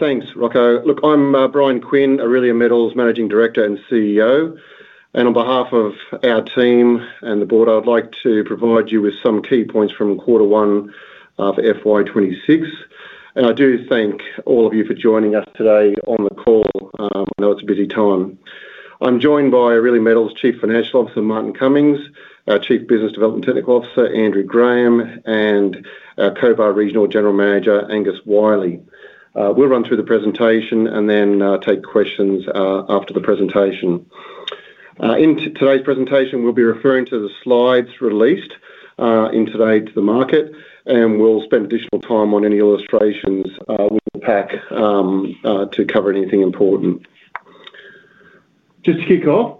Thanks, Rocco. Look, I'm Bryan Quinn, Aurelia Metals Managing Director and CEO. On behalf of our team and the board, I would like to provide you with some key points from Quarter One of FY 2026. I do thank all of you for joining us today on the call. I know it's a busy time. I'm joined by Aurelia Metals Chief Financial Officer, Martin Cummings, our Chief Business Development Technical Officer, Andrew Graham, and our Cobar Regional General Manager, Angus Wyllie. We'll run through the presentation and then take questions after the presentation. In today's presentation, we'll be referring to the slides released in today's market, and we'll spend additional time on any illustrations we pack to cover anything important. Just to kick off,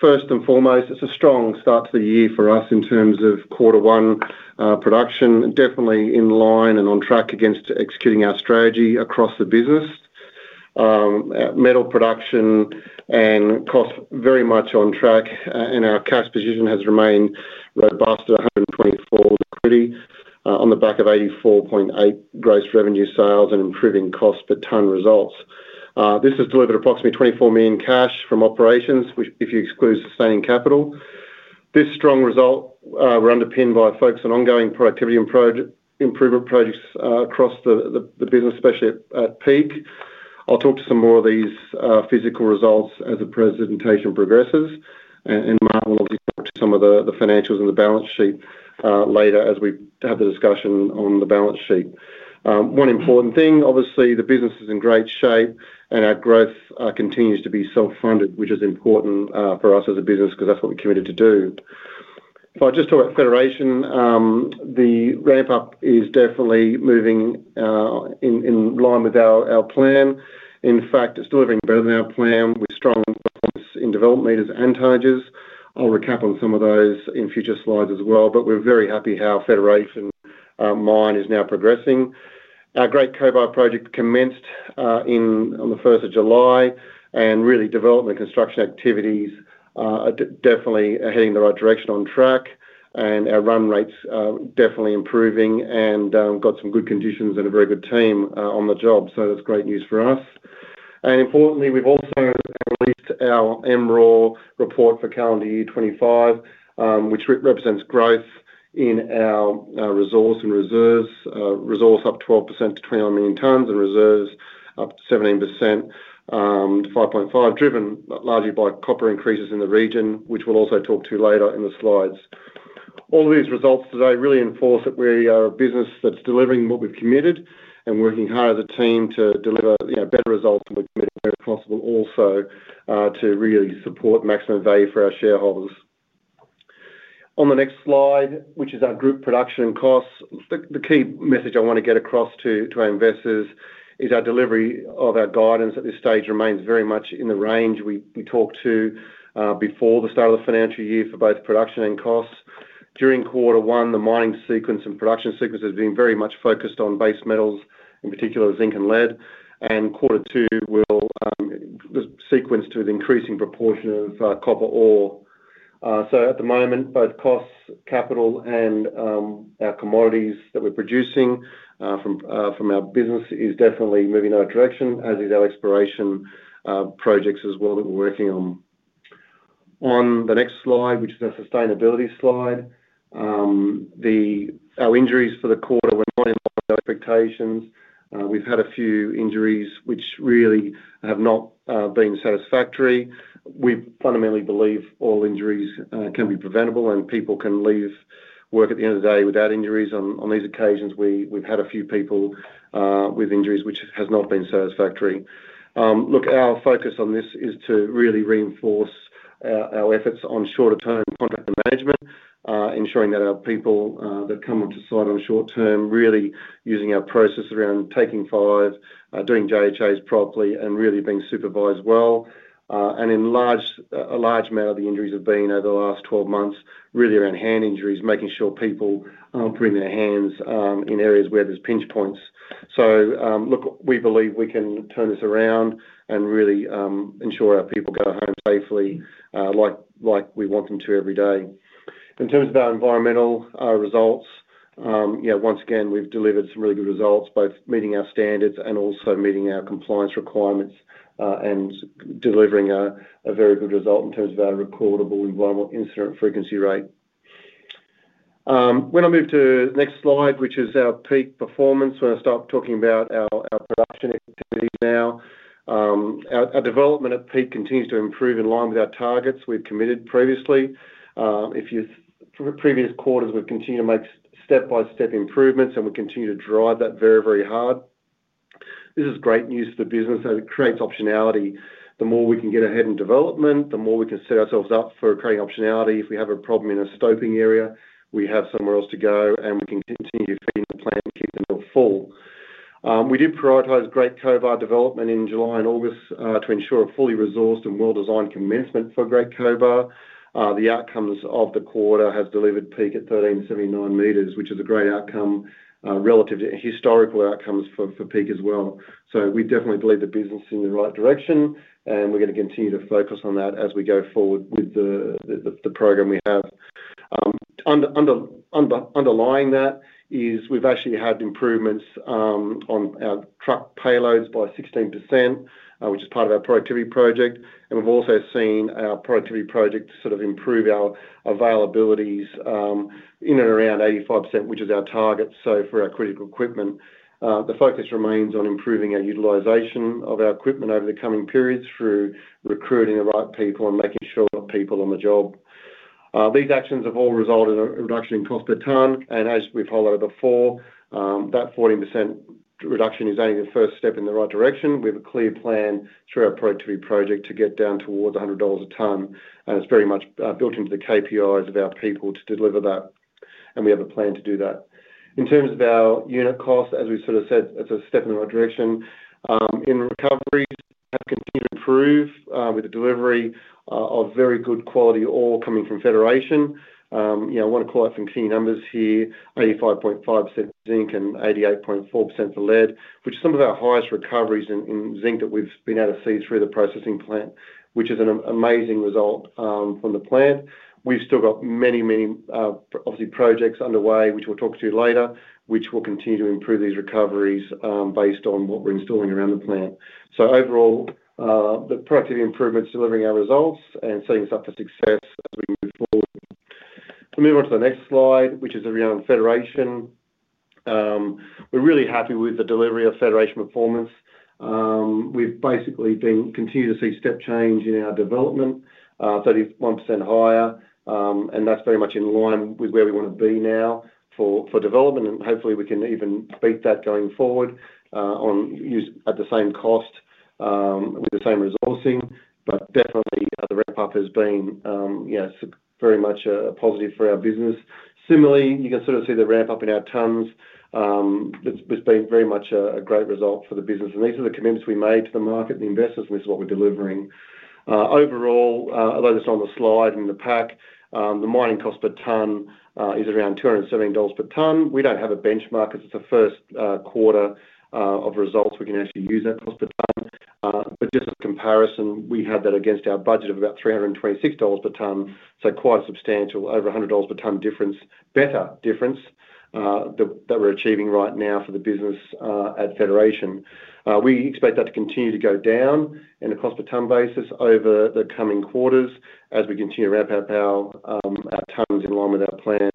first and foremost, it's a strong start to the year for us in terms of Quarter One production, definitely in line and on track against executing our strategy across the business. Metal production and costs are very much on track, and our cash position has remained robust at 124 million liquidity on the back of 84.8 million gross revenue sales and improving cost per tonne results. This has delivered approximately 24 million cash from operations, if you exclude sustaining capital. This strong result was underpinned by focus on ongoing productivity improvement projects across the business, especially at Peak. I'll talk to some more of these physical results as the presentation progresses, and I will obviously talk to some of the financials and the balance sheet later as we have the discussion on the balance sheet. One important thing, obviously, the business is in great shape, and our growth continues to be self-funded, which is important for us as a business because that's what we're committed to do. If I just talk about Federation, the ramp-up is definitely moving in line with our plan. In fact, it's delivering better than our plan with strong environments in development meters and tonnages. I'll recap on some of those in future slides as well, but we're very happy how Federation mine is now progressing. Our Great Cobar project commenced on the 1st of July, and really, development and construction activities are definitely heading in the right direction, on track, and our run rates are definitely improving and got some good conditions and a very good team on the job. That's great news for us. Importantly, we've also released our Mineral Resource and Reserve (MRA) report for calendar year 2025, which represents growth in our resource and reserves. Resource up 12% to 21 million tonnes and reserves up 17% to 5.5, driven largely by copper increases in the region, which we'll also talk to later in the slides. All of these results today really enforce that we are a business that's delivering what we've committed and working hard as a team to deliver better results than we're committed to, where it's possible also, to really support maximum value for our shareholders. On the next slide, which is our group production and costs, the key message I want to get across to our investors is our delivery of our guidance at this stage remains very much in the range we talked to before the start of the financial year for both production and costs. During Quarter One, the mining sequence and production sequence has been very much focused on base metals, in particular, zinc and lead. Quarter Two will sequence to an increasing proportion of copper ore. At the moment, both costs, capital, and our commodities that we're producing from our business is definitely moving in the right direction, as is our exploration projects as well that we're working on. On the next slide, which is our sustainability slide, our injuries for the quarter were not in line with our expectations. We've had a few injuries which really have not been satisfactory. We fundamentally believe all injuries can be preventable, and people can leave work at the end of the day without injuries. On these occasions, we've had a few people with injuries which have not been satisfactory. Our focus on this is to really reinforce our efforts on shorter-term contract management, ensuring that our people that come onto site on a short term are really using our process around taking five, doing JHAs properly, and really being supervised well. A large amount of the injuries have been over the last 12 months, really around hand injuries, making sure people aren't putting their hands in areas where there's pinch points. We believe we can turn this around and really ensure our people go home safely like we want them to every day. In terms of our environmental results, once again, we've delivered some really good results, both meeting our standards and also meeting our compliance requirements and delivering a very good result in terms of our recordable environmental incident frequency rate. When I move to the next slide, which is our peak performance, when I start talking about our production activities now, our development at Peak continues to improve in line with our targets we've committed previously. If you're from previous quarters, we've continued to make step-by-step improvements, and we continue to drive that very, very hard. This is great news for the business as it creates optionality. The more we can get ahead in development, the more we can set ourselves up for creating optionality. If we have a problem in a scoping area, we have somewhere else to go, and we can continue feeding the plant and keep the mill full. We did prioritize Great Cobar development in July and August to ensure a fully resourced and well-designed commencement for Great Cobar. The outcomes of the quarter have delivered Peak at 1,379 m, which is a great outcome relative to historical outcomes for Peak as well. We definitely believe the business is in the right direction, and we're going to continue to focus on that as we go forward with the program we have. Underlying that is we've actually had improvements on our truck payloads by 16%, which is part of our productivity project. We've also seen our productivity project sort of improve our availabilities in and around 85%, which is our target. For our critical equipment, the focus remains on improving our utilization of our equipment over the coming periods through recruiting the right people and making sure we've got people on the job. These actions have all resulted in a reduction in cost per tonne. As we've highlighted before, that 14% reduction is only the first step in the right direction. We have a clear plan through our productivity project to get down towards 100 dollars a tonne, and it's very much built into the KPIs of our people to deliver that. We have a plan to do that. In terms of our unit costs, as we sort of said, it's a step in the right direction. In recoveries, we have continued to improve with the delivery of very good quality ore coming from Federation. I want to call out some key numbers here: 85.5% zinc and 88.4% for lead, which is some of our highest recoveries in zinc that we've been able to see through the processing plant, which is an amazing result from the plant. We've still got many, many, obviously, projects underway, which we'll talk to you later, which will continue to improve these recoveries based on what we're installing around the plant. Overall, the productivity improvement is delivering our results and setting us up for success as we move forward. I'll move on to the next slide, which is around Federation. We're really happy with the delivery of Federation performance. We've basically continued to see step change in our development, 31% higher, and that's very much in line with where we want to be now for development. Hopefully, we can even beat that going forward at the same cost with the same resourcing. Definitely, the ramp-up has been very much a positive for our business. Similarly, you can sort of see the ramp-up in our tonnes. It's been very much a great result for the business. These are the commitments we made to the market and the investors, and this is what we're delivering. Overall, although that's not on the slide in the pack, the mining cost per tonne is around 217 dollars per tonne. We don't have a benchmark because it's the first quarter of results we can actually use that cost per tonne. Just as a comparison, we had that against our budget of about 326 dollars per tonne, so quite a substantial, over 100 dollars per tonne difference, better difference that we're achieving right now for the business at Federation. We expect that to continue to go down in a cost per tonne basis over the coming quarters as we continue to ramp up our tonnes in line with our plan.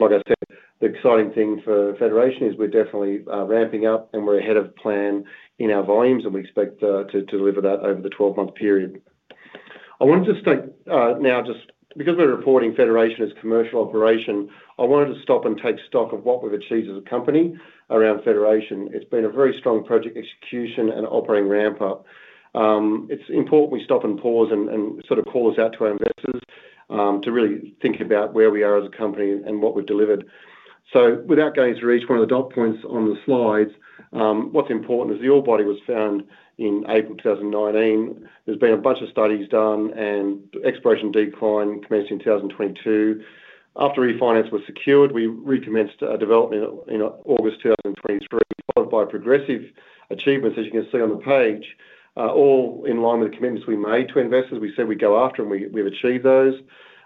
Like I said, the exciting thing for Federation is we're definitely ramping up, and we're ahead of plan in our volumes, and we expect to deliver that over the 12-month period. I wanted to state now just because we're reporting Federation as commercial operation, I wanted to stop and take stock of what we've achieved as a company around Federation. It's been a very strong project execution and operating ramp-up. It's important we stop and pause and sort of call this out to our investors to really think about where we are as a company and what we've delivered. Without going through each one of the dot points on the slides, what's important is the ore body was found in April 2019. There's been a bunch of studies done, and exploration decline commenced in 2022. After refinance was secured, we recommenced a development in August 2023, followed by progressive achievements, as you can see on the page, all in line with the commitments we made to investors. We said we'd go after, and we've achieved those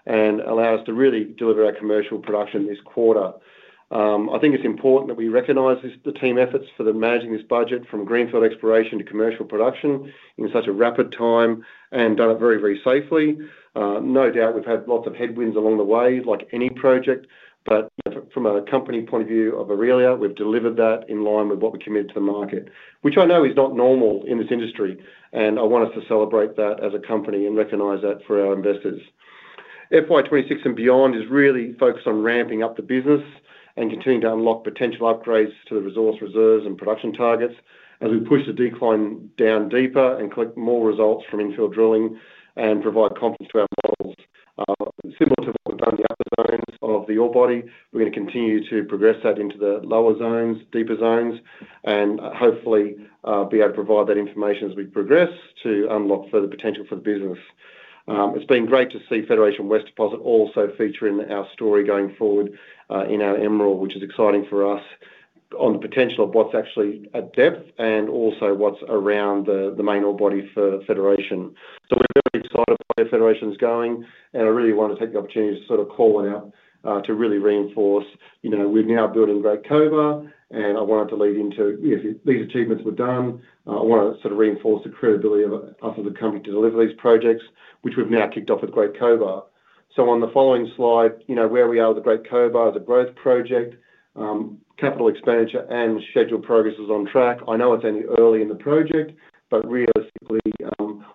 and allow us to really deliver our commercial production this quarter. I think it's important that we recognize the team efforts for managing this budget from greenfield exploration to commercial production in such a rapid time and done it very, very safely. No doubt, we've had lots of headwinds along the way, like any project. From a company point of view of Aurelia, we've delivered that in line with what we committed to the market, which I know is not normal in this industry. I want us to celebrate that as a company and recognize that for our investors. FY 2026 and beyond is really focused on ramping up the business and continuing to unlock potential upgrades to the resource reserves and production targets as we push the decline down deeper and collect more results from infield drilling and provide confidence to our models. Similar to what we've done in the upper zones of the ore body, we're going to continue to progress that into the lower zones, deeper zones, and hopefully be able to provide that information as we progress to unlock further potential for the business. It's been great to see Federation West Deposit also feature in our story going forward in our Mineral Resource and Reserve (MRA) report, which is exciting for us on the potential of what's actually at depth and also what's around the main ore body for Federation. We're very excited about where Federation's going, and I really want to take the opportunity to sort of call it out to really reinforce, you know, we're now building Great Cobar, and I wanted to lead into if these achievements were done, I want to sort of reinforce the credibility of us as a company to deliver these projects, which we've now kicked off with Great Cobar. On the following slide, you know where we are with the Great Cobar as a growth project, capital expenditure, and scheduled progress is on track. I know it's only early in the project, but realistically,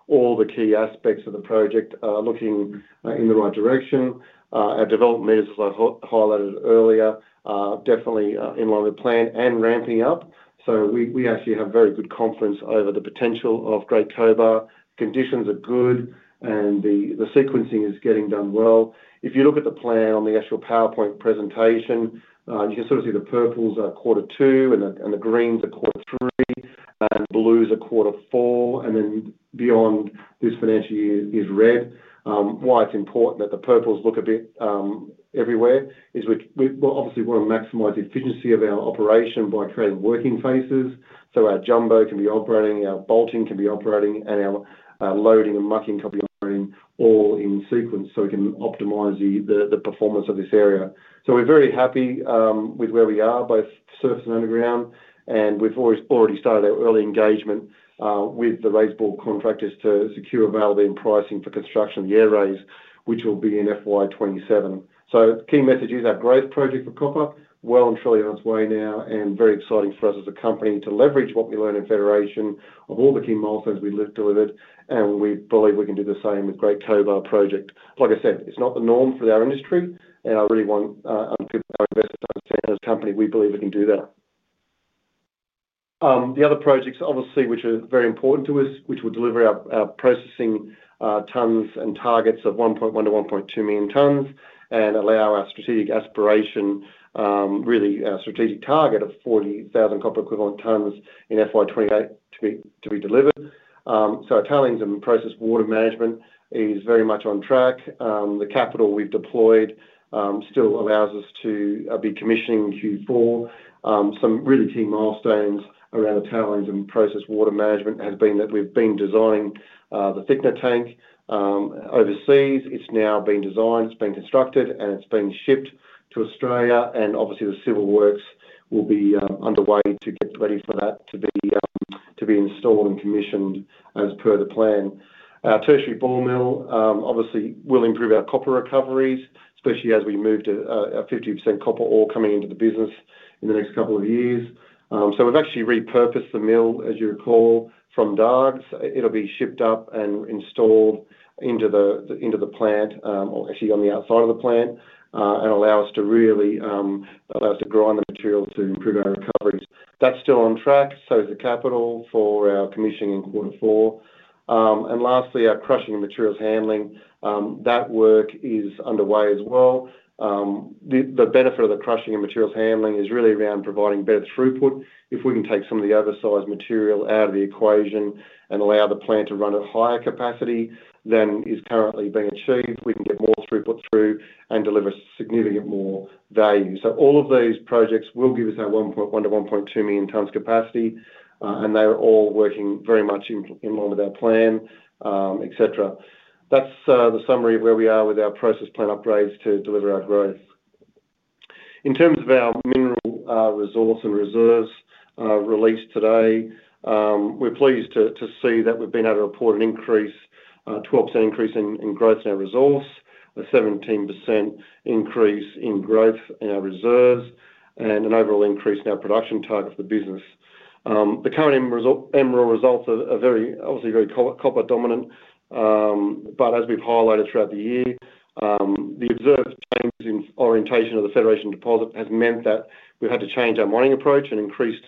all the key aspects of the project are looking in the right direction. Our development meters, as I've highlighted earlier, are definitely in line with the plan and ramping up. We actually have very good confidence over the potential of Great Cobar. Conditions are good, and the sequencing is getting done well. If you look at the plan on the actual PowerPoint presentation, you can sort of see the purples are Quarter Two, and the greens are Quarter Three, and blues are Quarter Four. Beyond this financial year is red. Why it's important that the purples look a bit everywhere is we obviously want to maximize the efficiency of our operation by creating working phases. Our jumbo can be operating, our bolting can be operating, and our loading and mucking can be operating all in sequence so we can optimize the performance of this area. We're very happy with where we are, both surface and underground, and we've already started our early engagement with the raise bore contractors to secure availability and pricing for construction of the air raises, which will be in FY 2027. The key message is our growth project for copper is well and truly on its way now and very exciting for us as a company to leverage what we learn in Federation of all the key milestones we've delivered. We believe we can do the same with Great Cobar project. Like I said, it's not the norm for our industry, and I really want our investors to understand as a company, we believe we can do that. The other projects, obviously, which are very important to us, will deliver our processing tonnes and targets of 1.1 million-1.2 million tonnes and allow our strategic aspiration, really our strategic target of 40,000 copper equivalent tonnes in FY 2028 to be delivered. Our tailings and process water management is very much on track. The capital we've deployed still allows us to be commissioning Q4. Some really key milestones around the tailings and process water management have been that we've been designing the thickener tank overseas. It's now been designed, it's been constructed, and it's been shipped to Australia. The civil works will be underway to get ready for that to be installed and commissioned as per the plan. Our tertiary ball mill will improve our copper recoveries, especially as we move to a 50% copper ore coming into the business in the next couple of years. We've actually repurposed the mill, as you recall, from Dargues. It'll be shipped up and installed into the plant or actually on the outside of the plant and allow us to really grind the material to improve our recoveries. That's still on track, so is the capital for our commissioning in Q4. Lastly, our crushing and materials handling, that work is underway as well. The benefit of the crushing and materials handling is really around providing better throughput. If we can take some of the oversized material out of the equation and allow the plant to run at a higher capacity than is currently being achieved, we can get more throughput through and deliver significant more value. All of those projects will give us our 1.1 million-1.2 million tonnes capacity, and they are all working very much in line with our plan, etc. That's the summary of where we are with our process plant upgrades to deliver our growth. In terms of our Mineral Resource and Reserve released today, we're pleased to see that we've been able to report an increase, a 12% increase in growth in our resource, a 17% increase in growth in our reserves, and an overall increase in our production target for the business. The current MRA results are very, obviously, very copper dominant. As we've highlighted throughout the year, the observed change in orientation of the Federation deposit has meant that we've had to change our mining approach and increased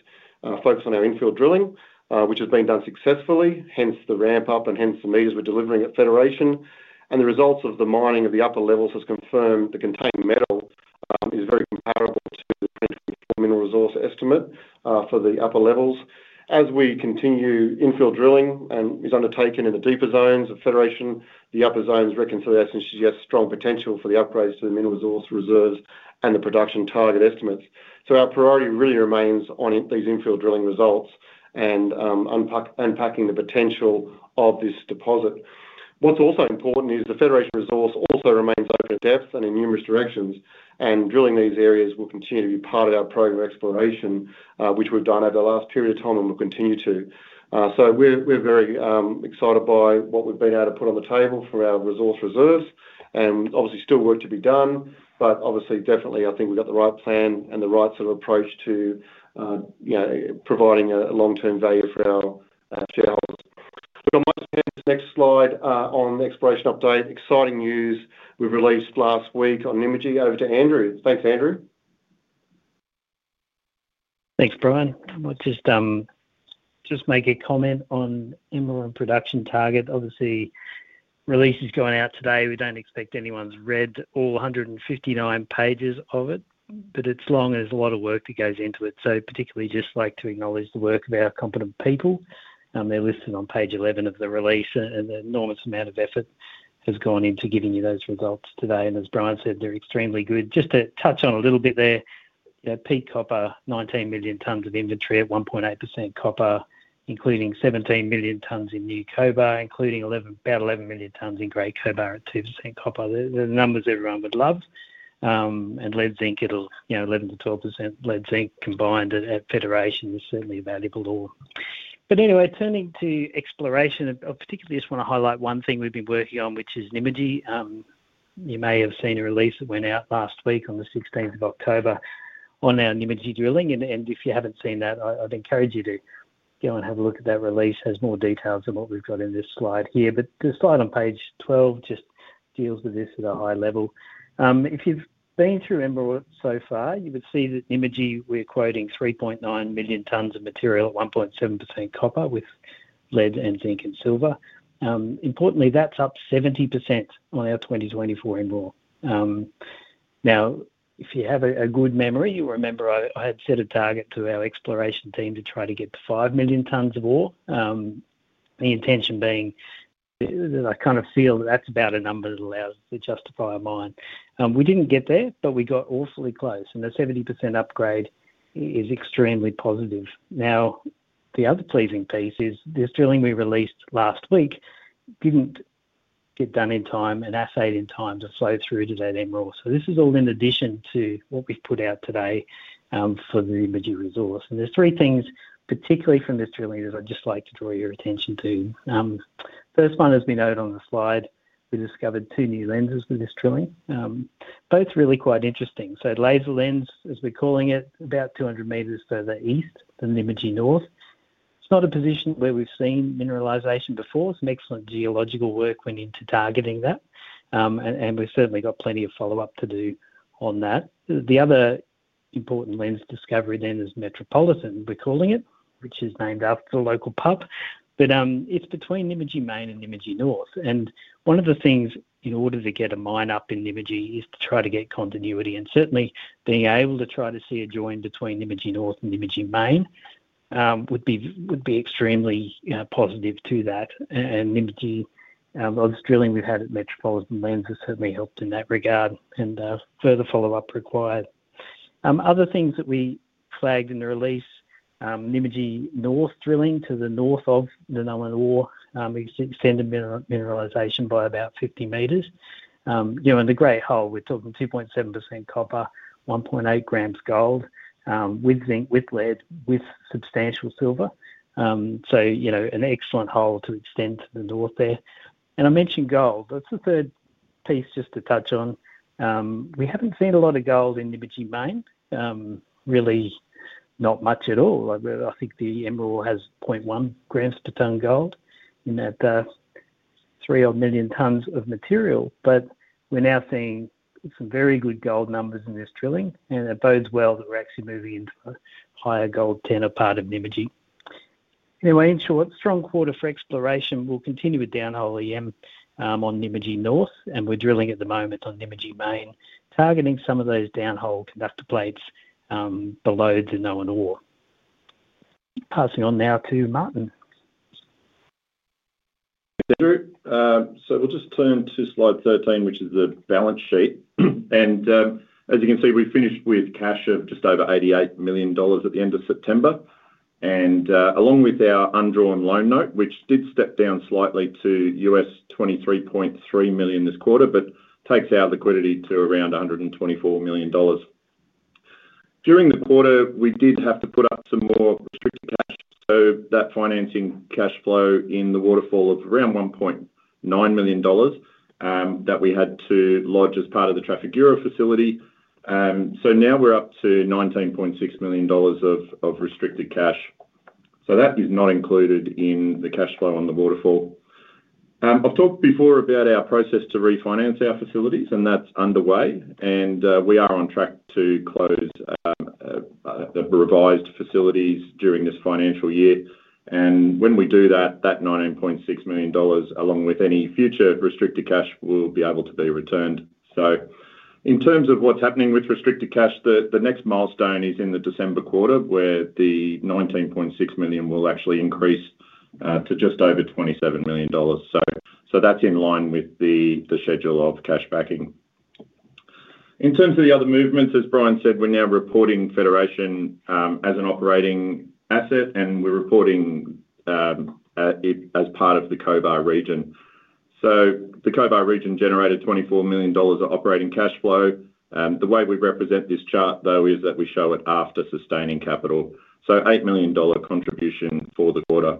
focus on our infield drilling, which has been done successfully, hence the ramp-up and hence the meters we're delivering at Federation. The results of the mining of the upper levels have confirmed the contained metal is very comparable to the 2024 mineral resource estimate for the upper levels. As we continue infield drilling and it is undertaken in the deeper zones of Federation, the upper zones reconciled essentially have strong potential for the upgrades to the mineral resource reserves and the production target estimates. Our priority really remains on these infield drilling results and unpacking the potential of this deposit. What's also important is the Federation resource also remains open at depth and in numerous directions, and drilling these areas will continue to be part of our program exploration, which we've done over the last period of time and will continue to. We're very excited by what we've been able to put on the table for our resource reserves, and obviously, still work to be done. Obviously, definitely, I think we've got the right plan and the right sort of approach to providing a long-term value for our shareholders. We're going to move to the next slide on the exploration update. Exciting news we released last week on Nymagee over to Andrew. Thanks, Andrew. Thanks, Bryan. I'll just make a comment on MRA and production target. Obviously, release is going out today. We don't expect anyone's read all 159 pages of it, but it's long and there's a lot of work that goes into it. I'd particularly just like to acknowledge the work of our competent people. They're listed on page 11 of the release, and an enormous amount of effort has gone into giving you those results today. As Bryan said, they're extremely good. Just to touch on a little bit there, you know, peak copper, 19 million tonnes of inventory at 1.8% copper, including 17 million tonnes in new Cobar, including about 11 million tonnes in Great Cobar at 2% copper. The numbers everyone would love. Lead zinc, it'll, you know, 11%-12% lead zinc combined at Federation is certainly a valuable ore. Anyway, turning to exploration, I particularly just want to highlight one thing we've been working on, which is Nymagee. You may have seen a release that went out last week on the 16th of October on our Nymagee drilling. If you haven't seen that, I'd encourage you to go and have a look at that release. It has more details than what we've got in this slide here. The slide on page 12 just deals with this at a high level. If you've been through MRA so far, you would see that Nymagee, we're quoting 3.9 million tonnes of material at 1.7% copper with lead and zinc and silver. Importantly, that's up 70% on our 2024 MRA. If you have a good memory, you'll remember I had set a target to our exploration team to try to get to 5 million tonnes of ore, the intention being that I kind of feel that that's about a number that allows us to justify a mine. We didn't get there, but we got awfully close. The 70% upgrade is extremely positive. The other pleasing piece is this drilling we released last week didn't get done in time and assayed in time to flow through to that MRA. This is all in addition to what we've put out today for the Nymagee resource. There's three things, particularly from this drilling, that I'd just like to draw your attention to. The first one, as we noted on the slide, we discovered two new lenses with this drilling, both really quite interesting. Laser lens, as we're calling it, about 200 m further east than Nymagee North. It's not a position where we've seen mineralization before. Some excellent geological work went into targeting that, and we've certainly got plenty of follow-up to do on that. The other important lens discovery then is Metropolitan, we're calling it, which is named after the local pub. It's between Nymagee Main and Nymagee North. One of the things in order to get a mine up in Nymagee is to try to get continuity. Certainly, being able to try to see a join between Nymagee North and Nymagee Main would be extremely positive to that. Nymagee, the struggling we've had at Metropolitan lens, has certainly helped in that regard and further follow-up required. Other things that we flagged in the release, Nymagee North drilling to the north of the Nullan ore, we extended mineralization by about 50 m. In the great hole, we're talking 2.7% copper, 1.8 g gold with zinc, with lead, with substantial silver. An excellent hole to extend to the north there. I mentioned gold. That's the third piece just to touch on. We haven't seen a lot of gold in Nymagee Main, really not much at all. I think the MRA has 0.1 g per tonne gold in that 3-odd million tonnes of material. We're now seeing some very good gold numbers in this drilling, and it bodes well that we're actually moving into a higher gold tenor part of Nymagee. In short, strong quarter for exploration. We'll continue with down-hole EM on Nymagee North, and we're drilling at the moment on Nymagee Main, targeting some of those down-hole conductor plates below the Nullan ore. Passing on now to Martin. Hey, Andrew. We'll just turn to slide 13, which is the balance sheet. As you can see, we finished with cash of just over 88 million dollars at the end of September. Along with our undrawn loan note, which did step down slightly to $23.3 million this quarter, that takes our liquidity to around 124 million dollars. During the quarter, we did have to put up some more restricted cash, so that financing cash flow in the waterfall of around 1.9 million dollars that we had to lodge as part of the Traffic Euro facility. Now we're up to 19.6 million dollars of restricted cash. That is not included in the cash flow on the waterfall. I've talked before about our process to refinance our facilities, and that's underway. We are on track to close the revised facilities during this financial year. When we do that, that 19.6 million dollars, along with any future restricted cash, will be able to be returned. In terms of what's happening with restricted cash, the next milestone is in the December quarter where the 19.6 million will actually increase to just over 27 million dollars. That's in line with the schedule of cash backing. In terms of the other movements, as Bryan said, we're now reporting Federation as an operating asset, and we're reporting it as part of the Cobar region. The Cobar region generated 24 million dollars of operating cash flow. The way we represent this chart, though, is that we show it after sustaining capital. 8 million dollar contribution for the quarter.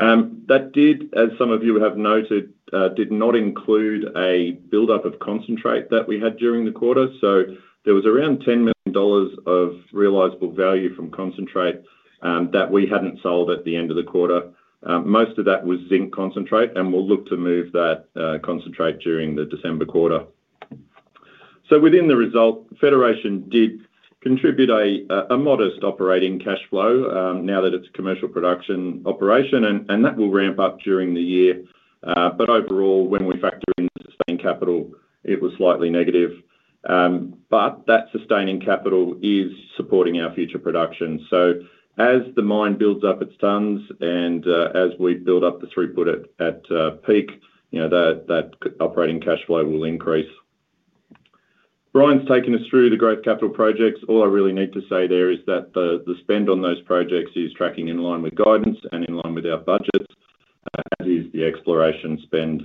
That did, as some of you have noted, not include a build-up of concentrate that we had during the quarter. There was around 10 million dollars of realisable value from concentrate that we hadn't sold at the end of the quarter. Most of that was zinc concentrate, and we'll look to move that concentrate during the December quarter. Within the result, Federation did contribute a modest operating cash flow now that it's a commercial production operation, and that will ramp up during the year. Overall, when we factor in the sustained capital, it was slightly negative. That sustaining capital is supporting our future production. As the mine builds up its tonnes and as we build up the throughput at peak, you know that operating cash flow will increase. Bryan's taken us through the growth capital projects. All I really need to say there is that the spend on those projects is tracking in line with guidance and in line with our budgets, as is the exploration spend.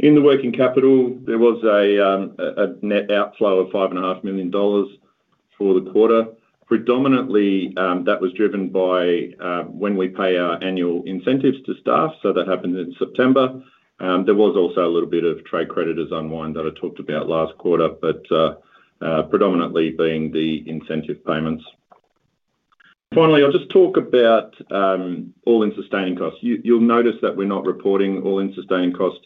In the working capital, there was a net outflow of 5.5 million dollars for the quarter. Predominantly, that was driven by when we pay our annual incentives to staff. That happened in September. There was also a little bit of trade creditors unwind that I talked about last quarter, predominantly being the incentive payments. Finally, I'll just talk about all-in sustaining costs. You'll notice that we're not reporting all-in sustaining costs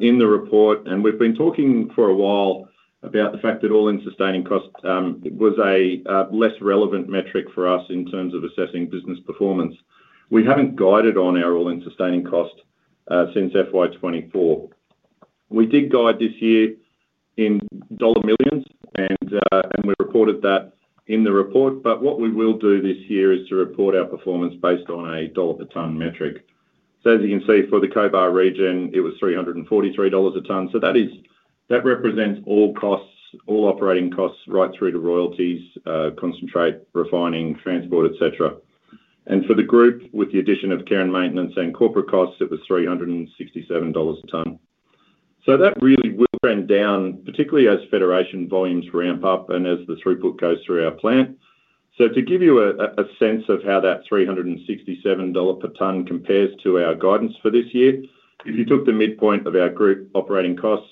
in the report. We've been talking for a while about the fact that all-in sustaining costs was a less relevant metric for us in terms of assessing business performance. We haven't guided on our all-in sustaining costs since FY 2024. We did guide this year in dollar millions, and we reported that in the report. What we will do this year is to report our performance based on a dollar per tonne metric. As you can see, for the Cobar region, it was 343 dollars a ton. That represents all costs, all operating costs right through to royalties, concentrate, refining, transport, etc. For the group, with the addition of care and maintenance and corporate costs, it was 367 dollars a ton. That really will trend down, particularly as Federation volumes ramp up and as the throughput goes through our plant. To give you a sense of how that 367 dollar per tonne compares to our guidance for this year, if you took the midpoint of our group operating costs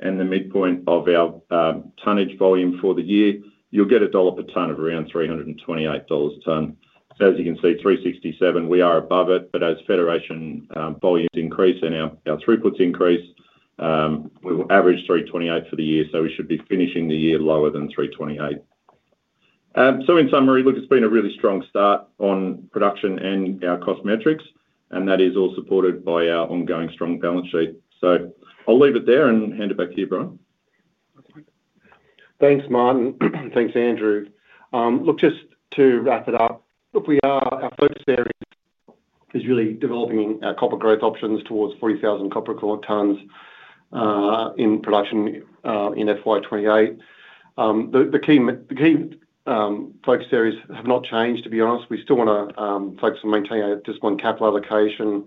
and the midpoint of our tonnage volume for the year, you'll get a dollar per tonne of around 328 dollars a ton. As you can see, 367, we are above it. As Federation volumes increase and our throughputs increase, we will average 328 for the year. We should be finishing the year lower than 328. In summary, it's been a really strong start on production and our cost metrics, and that is all supported by our ongoing strong balance sheet. I'll leave it there and hand it back to you, Bryan. Thanks, Martin. Thanks, Andrew. Look, just to wrap it up, our focus area is really developing our copper growth options towards 40,000 copper equivalent tonnes in production in FY 2028. The key focus areas have not changed, to be honest. We still want to focus on maintaining our disciplined capital allocation,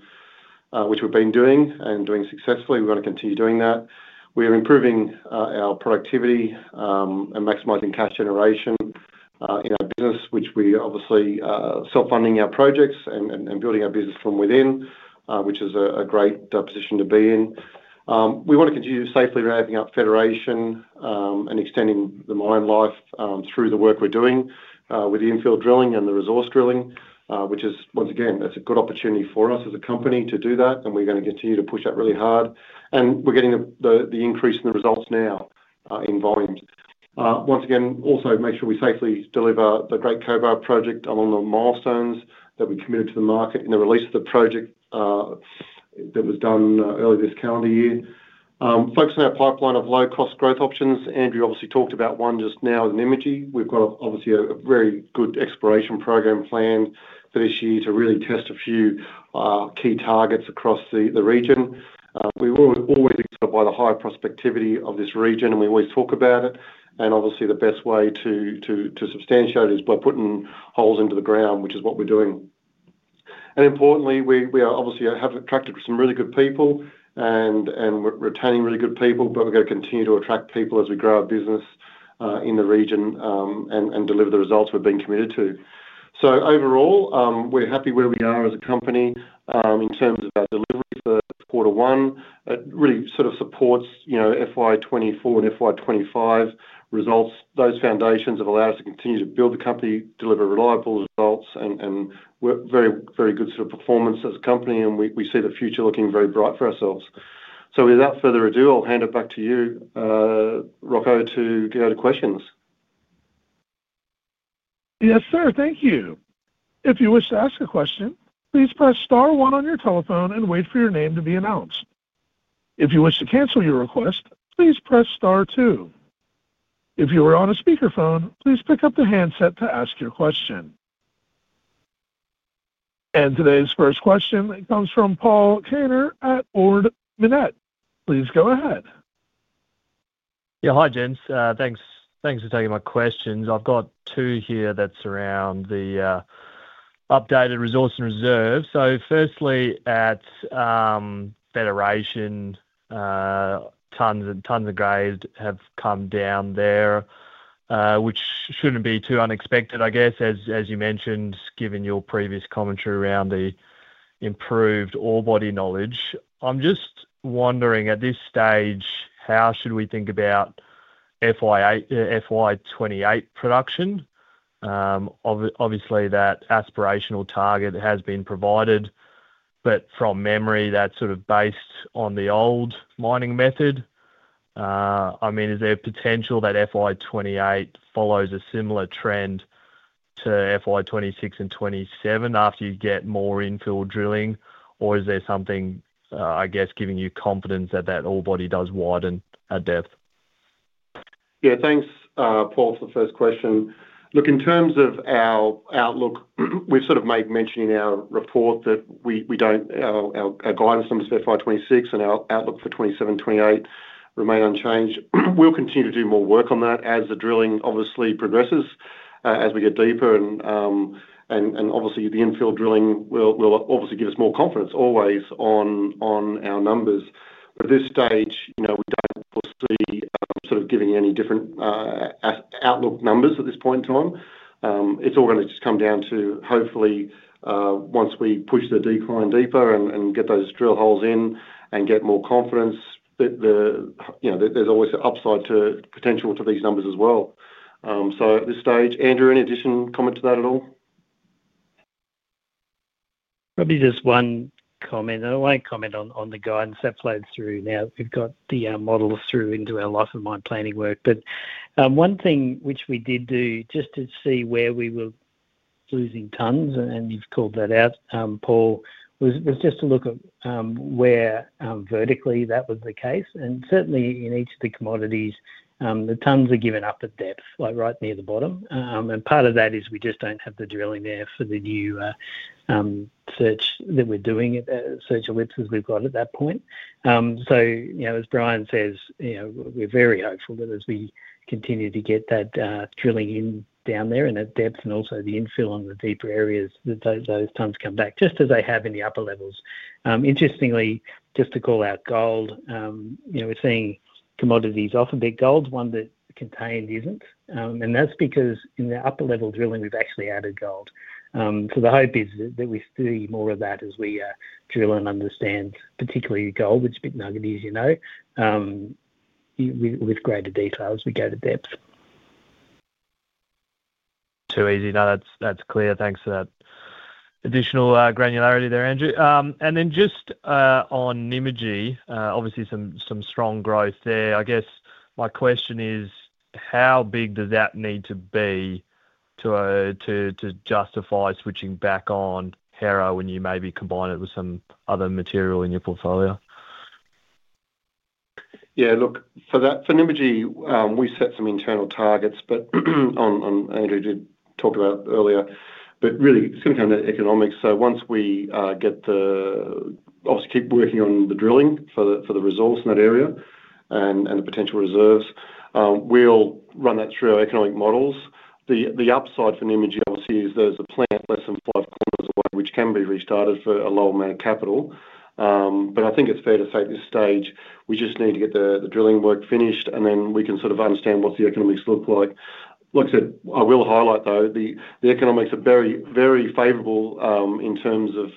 which we've been doing and doing successfully. We want to continue doing that. We're improving our productivity and maximizing cash generation in our business, which we obviously are self-funding our projects and building our business from within, which is a great position to be in. We want to continue safely ramping up Federation and extending the mine life through the work we're doing with the infield drilling and the resource drilling, which is, once again, a good opportunity for us as a company to do that. We're going to continue to push that really hard. We're getting the increase in the results now in volumes. Once again, also make sure we safely deliver the Great Cobar project along the milestones that we committed to the market in the release of the project that was done early this calendar year. Focus on our pipeline of low-cost growth options. Andrew obviously talked about one just now with Nymagee. We've got a very good exploration program planned for this year to really test a few key targets across the region. We always excel by the high prospectivity of this region, and we always talk about it. The best way to substantiate it is by putting holes into the ground, which is what we're doing. Importantly, we obviously have attracted some really good people and we're retaining really good people, but we're going to continue to attract people as we grow our business in the region and deliver the results we're being committed to. Overall, we're happy where we are as a company in terms of our delivery for Quarter One. It really sort of supports FY 2024 and FY 2025 results. Those foundations have allowed us to continue to build the company, deliver reliable results, and we're very, very good sort of performance as a company, and we see the future looking very bright for ourselves. Without further ado, I'll hand it back to you, Rocco, to get you to questions. Yes, sir. Thank you. If you wish to ask a question, please press star one on your telephone and wait for your name to be announced. If you wish to cancel your request, please press star two. If you are on a speakerphone, please pick up the handset to ask your question. Today's first question comes from Paul Kaner at Ord Minnett. Please go ahead. Yeah. Hi, James. Thanks. Thanks for taking my questions. I've got two here that's around the updated resource and reserve. Firstly, at Federation, tons and tons of grades have come down there, which shouldn't be too unexpected, I guess, as you mentioned, given your previous commentary around the improved ore body knowledge. I'm just wondering, at this stage, how should we think about FY 2028 production? Obviously, that aspirational target has been provided. From memory, that's sort of based on the old mining method. Is there a potential that FY 2028 follows a similar trend to FY 2026 and FY 2027 after you get more infill drilling, or is there something, I guess, giving you confidence that that ore body does widen at depth? Yeah. Thanks, Paul, for the first question. In terms of our outlook, we've made mention in our report that our guidance numbers for FY 2026 and our outlook for 2027 and 2028 remain unchanged. We'll continue to do more work on that as the drilling progresses as we get deeper. The infield drilling will give us more confidence on our numbers. At this stage, we don't foresee giving you any different outlook numbers at this point in time. It's all going to just come down to, hopefully, once we push the decline deeper and get those drill holes in and get more confidence that there's always an upside potential to these numbers as well. At this stage, Andrew, any additional comment to that at all? Probably just one comment, and I won't comment on the guidance that flowed through. Now, we've got the models through into our life and mine planning work. One thing which we did do just to see where we were losing tonnes, and you've called that out, Paul, was just to look at where vertically that was the case. Certainly, in each of the commodities, the tonnes are given up at depth, like right near the bottom. Part of that is we just don't have the drilling there for the new search that we're doing at the search ellipses we've got at that point. You know, as Bryan says, we're very hopeful that as we continue to get that drilling in down there and at depth and also the infill on the deeper areas, those tonnes come back just as they have in the upper levels. Interestingly, just to call out gold, we're seeing commodities often be gold, one that contained isn't. That's because in the upper-level drilling, we've actually added gold. The hope is that we see more of that as we drill and understand particularly gold, which is a bit nuggety, you know, with greater detail as we go to depth. Too easy. No, that's clear. Thanks for that additional granularity there, Andrew. Just on Nymagee, obviously, some strong growth there. I guess my question is, how big does that need to be to justify switching back on Hera when you maybe combine it with some other material in your portfolio? Yeah. Look, for Nymagee, we set some internal targets, but Andrew did talk about earlier, but really, it's going to come to economics. Once we obviously keep working on the drilling for the resource in that area and the potential reserves, we'll run that through our economic models. The upside for Nymagee, obviously, is there's a plant less than 5 km away, which can be restarted for a lower amount of capital. I think it's fair to say at this stage we just need to get the drilling work finished, and then we can sort of understand what the economics look like. Like I said, I will highlight, though, the economics are very, very favorable in terms of,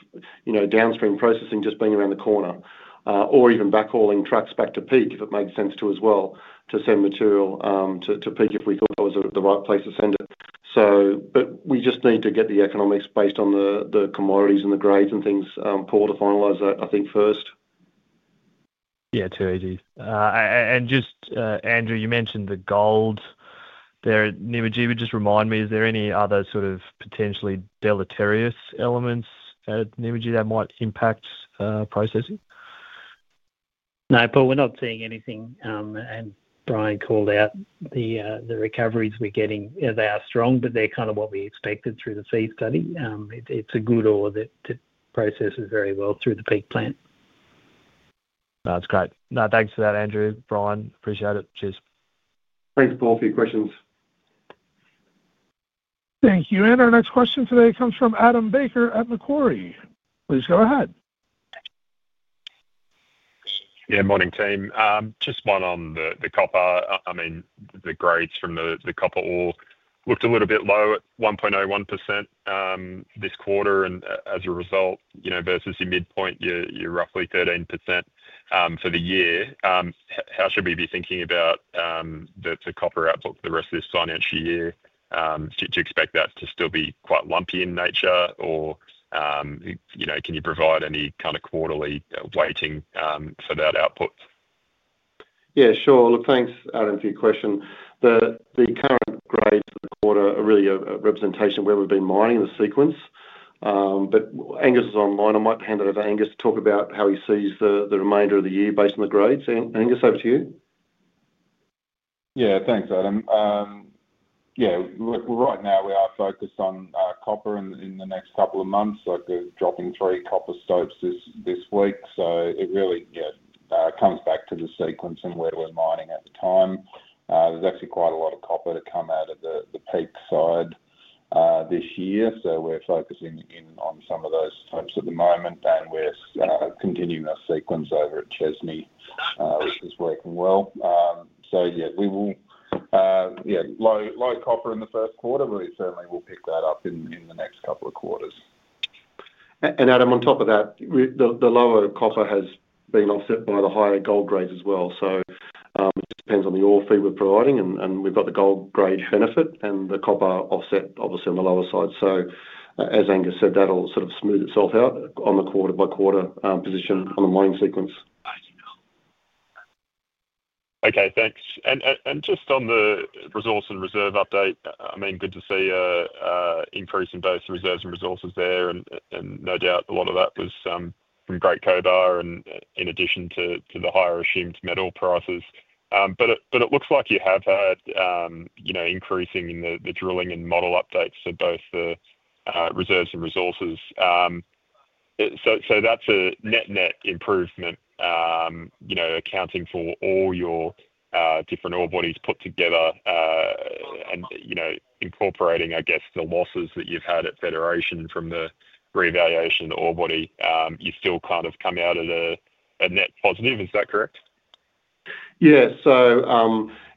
you know, downstream processing just being around the corner or even backhauling trucks back to Peak if it made sense to us as well to send material to Peak if we thought that was the right place to send it. We just need to get the economics based on the commodities and the grades and things, Paul, to finalize that, I think, first. Yeah, too easy. Andrew, you mentioned the gold there at Nymagee. Would you just remind me, is there any other sort of potentially deleterious elements at Nymagee that might impact processing? No, Paul, we're not seeing anything. Bryan called out the recoveries we're getting that are strong, but they're kind of what we expected through the feed study. It's a good ore that processes very well through the Peak plant. That's great. No, thanks for that, Andrew. Bryan, appreciate it. Cheers. Thanks, Paul, for your questions. Thank you. Our next question today comes from Adam Baker at Macquarie. Please go ahead. Yeah. Morning, team. Just one on the copper. I mean, the grades from the copper ore looked a little bit low at 1.01% this quarter. As a result, you know, versus your midpoint, you're roughly 13% for the year. How should we be thinking about the copper output for the rest of this financial year? Do you expect that to still be quite lumpy in nature, or can you provide any kind of quarterly weighting for that output? Yeah, sure. Look, thanks, Adam, for your question. The current grades for the quarter are really a representation of where we've been mining in the sequence. Angus is online. I might hand it over to Angus to talk about how he sees the remainder of the year based on the grades. Angus, over to you. Yeah, thanks, Adam. Right now, we are focused on copper in the next couple of months. I'm dropping three copper stopes this week. It really comes back to the sequence and where we're mining at the time. There's actually quite a lot of copper to come out of the Peak side this year. We're focusing in on some of those stopes at the moment, and we're continuing our sequence over at Chesney, which is working well. We will have low copper in the first quarter, but we certainly will pick that up in the next couple of quarters. Adam, on top of that, the lower copper has been offset by the higher gold grades as well. It depends on the ore feed we're providing. We've got the gold grade benefit and the copper offset, obviously, on the lower side. As Angus said, that'll sort of smooth itself out on the quarter-by-quarter position on the mining sequence. Okay, thanks. Just on the resource and reserve update, I mean, good to see an increase in both reserves and resources there. No doubt, a lot of that was from Great Cobar and in addition to the higher-assumed metal prices. It looks like you have had increasing in the drilling and model updates to both the reserves and resources. That's a net-net improvement, accounting for all your different ore bodies put together and incorporating, I guess, the losses that you've had at Federation from the reevaluation of the ore body. You still kind of come out at a net positive. Is that correct? Yeah.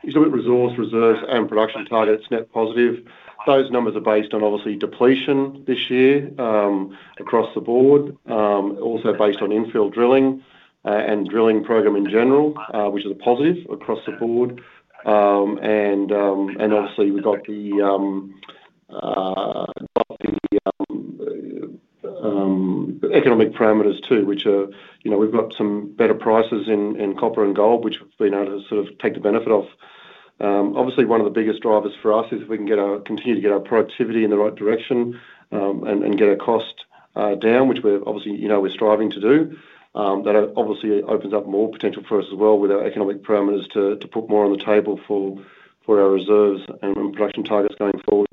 You saw resource, reserves, and production targets net positive. Those numbers are based on, obviously, depletion this year across the board, also based on infill drilling and drilling program in general, which is a positive across the board. We've got the economic parameters too, which are, you know, we've got some better prices in copper and gold, which we've been able to sort of take the benefit of. One of the biggest drivers for us is if we can continue to get our productivity in the right direction and get our cost down, which we're obviously, you know, we're striving to do. That opens up more potential for us as well with our economic parameters to put more on the table for our reserves and production targets going forward.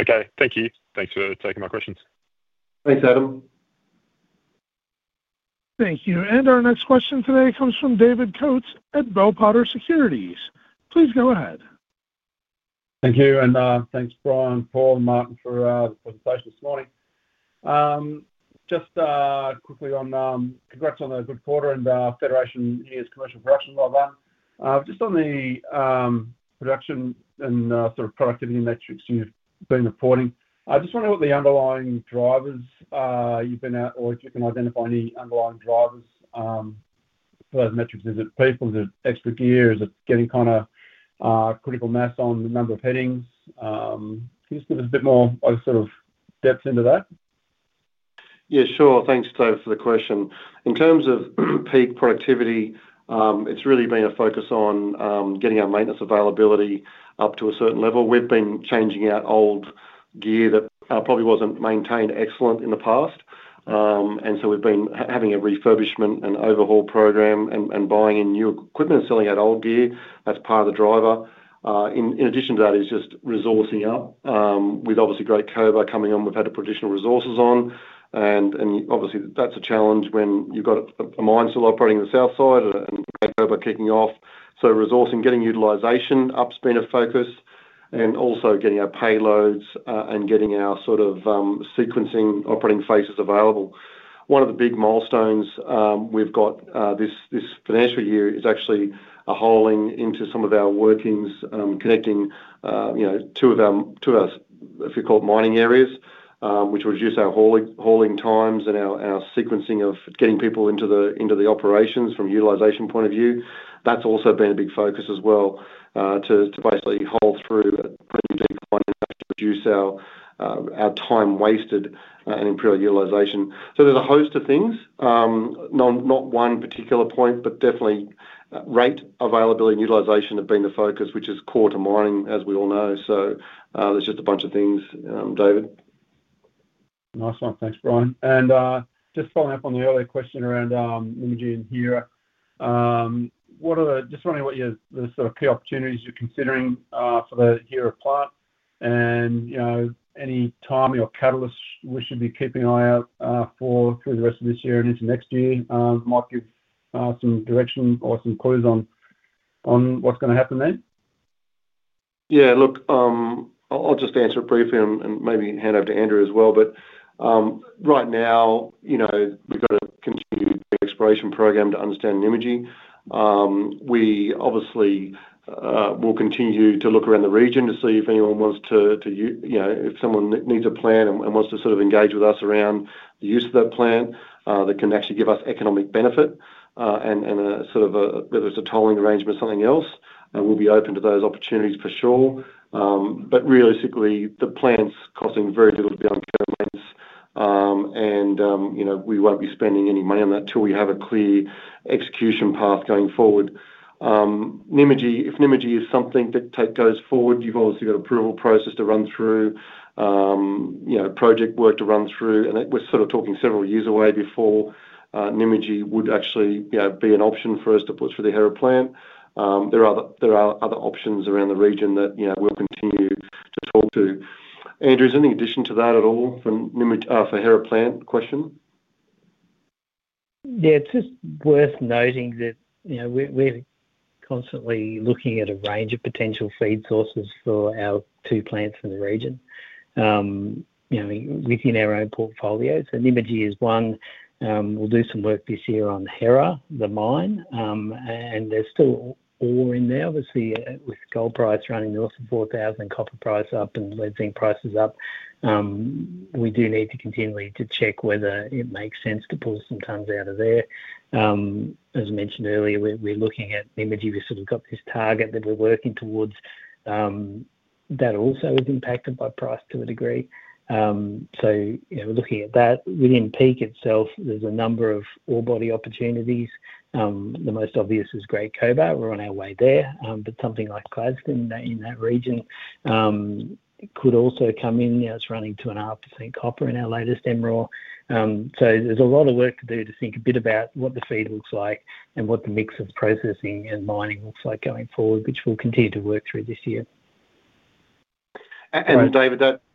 Okay, thank you. Thanks for taking my questions. Thanks, Adam. Thank you. Our next question today comes from David Coates at Bell Potter Securities. Please go ahead. Thank you. Thanks, Bryan, Paul, and Martin for the presentation this morning. Just quickly, congrats on the good quarter and Federation year's commercial production, well done. Just on the production and sort of productivity metrics you've been reporting, I just wonder what the underlying drivers you've been at or if you can identify any underlying drivers for those metrics. Is it people? Is it extra gear? Is it getting kind of critical mass on the number of headings? Can you just give us a bit more sort of depth into that? Yeah, sure. Thanks, David, for the question. In terms of peak productivity, it's really been a focus on getting our maintenance availability up to a certain level. We've been changing out old gear that probably wasn't maintained excellent in the past. We've been having a refurbishment and overhaul program and buying in new equipment and selling out old gear as part of the driver. In addition to that is just resourcing up with obviously Great Cobar coming on. We've had traditional resources on. Obviously, that's a challenge when you've got a mine still operating in the south side and Great Cobar kicking off. Resourcing, getting utilization up has been a focus, and also getting our payloads and getting our sort of sequencing operating phases available. One of the big milestones we've got this financial year is actually hauling into some of our workings, connecting two of our, if you call it, mining areas, which will reduce our hauling times and our sequencing of getting people into the operations from a utilization point of view. That's also been a big focus as well to basically haul through a pretty deep mine and actually reduce our time wasted and improve our utilization. There's a host of things. Not one particular point, but definitely rate availability and utilization have been the focus, which is core to mining, as we all know. There's just a bunch of things, David. Nice one. Thanks, Bryan. Just following up on the earlier question around Nymagee and Hera, just wondering what your sort of key opportunities you're considering for the Hera plant and, you know, any timing or catalyst we should be keeping an eye out for through the rest of this year and into next year might give some direction or some clues on what's going to happen there. Yeah, look, I'll just answer it briefly and maybe hand over to Andrew as well. Right now, we've got to continue the exploration program to understand Nymagee. We obviously will continue to look around the region to see if anyone wants to, you know, if someone needs a plant and wants to sort of engage with us around the use of that plant that can actually give us economic benefit and sort of whether it's a tolling arrangement or something else, we'll be open to those opportunities for sure. Realistically, the plant's costing very little beyond co-maintenance, and you know, we won't be spending any money on that until we have a clear execution path going forward. If Nymagee is something that goes forward, you've obviously got an approval process to run through, project work to run through. We're sort of talking several years away before Nymagee would actually, you know, be an option for us to put for the Hera plant. There are other options around the region that, you know, we'll continue to talk to. Andrew, is there any addition to that at all for Hera plant question? Yeah, it's just worth noting that we're constantly looking at a range of potential feed sources for our two plants in the region, within our own portfolios. Nymagee is one. We'll do some work this year on Hera, the mine, and there's still ore in there. Obviously, with gold price running north of 4,000, copper price up, and lead zinc prices up, we do need to continually check whether it makes sense to pull some tons out of there. As mentioned earlier, we're looking at Nymagee. We've sort of got this target that we're working towards that also is impacted by price to a degree. We're looking at that. Within Peak itself, there's a number of ore body opportunities. The most obvious is Great Cobar. We're on our way there. Something like Cladstone in that region could also come in. Now, it's running 2.5% copper in our latest MRA. There's a lot of work to do to think a bit about what the feed looks like and what the mix of processing and mining looks like going forward, which we'll continue to work through this year.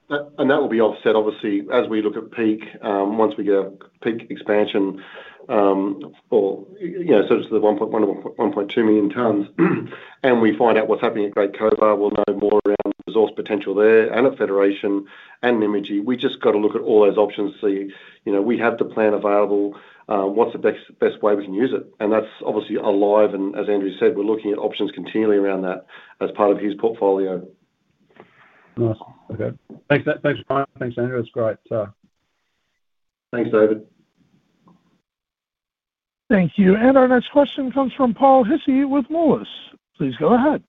That will be offset, obviously, as we look at Peak once we get a Peak expansion or, you know, so it's the 1.1 million-1.2 million tonnes. We find out what's happening at Great Cobar. We'll know more around the resource potential there and at Federation and Nymagee. We've just got to look at all those options to see, you know, we have the plan available. What's the best way we can use it? That's obviously alive, and as Andrew said, we're looking at options continually around that as part of his portfolio. Nice. Okay. Thanks, Bryan. Thanks, that's Andrew. That's great. Thanks, David. Thank you. Our next question comes from Paul Hissey with Moelis. Please go ahead.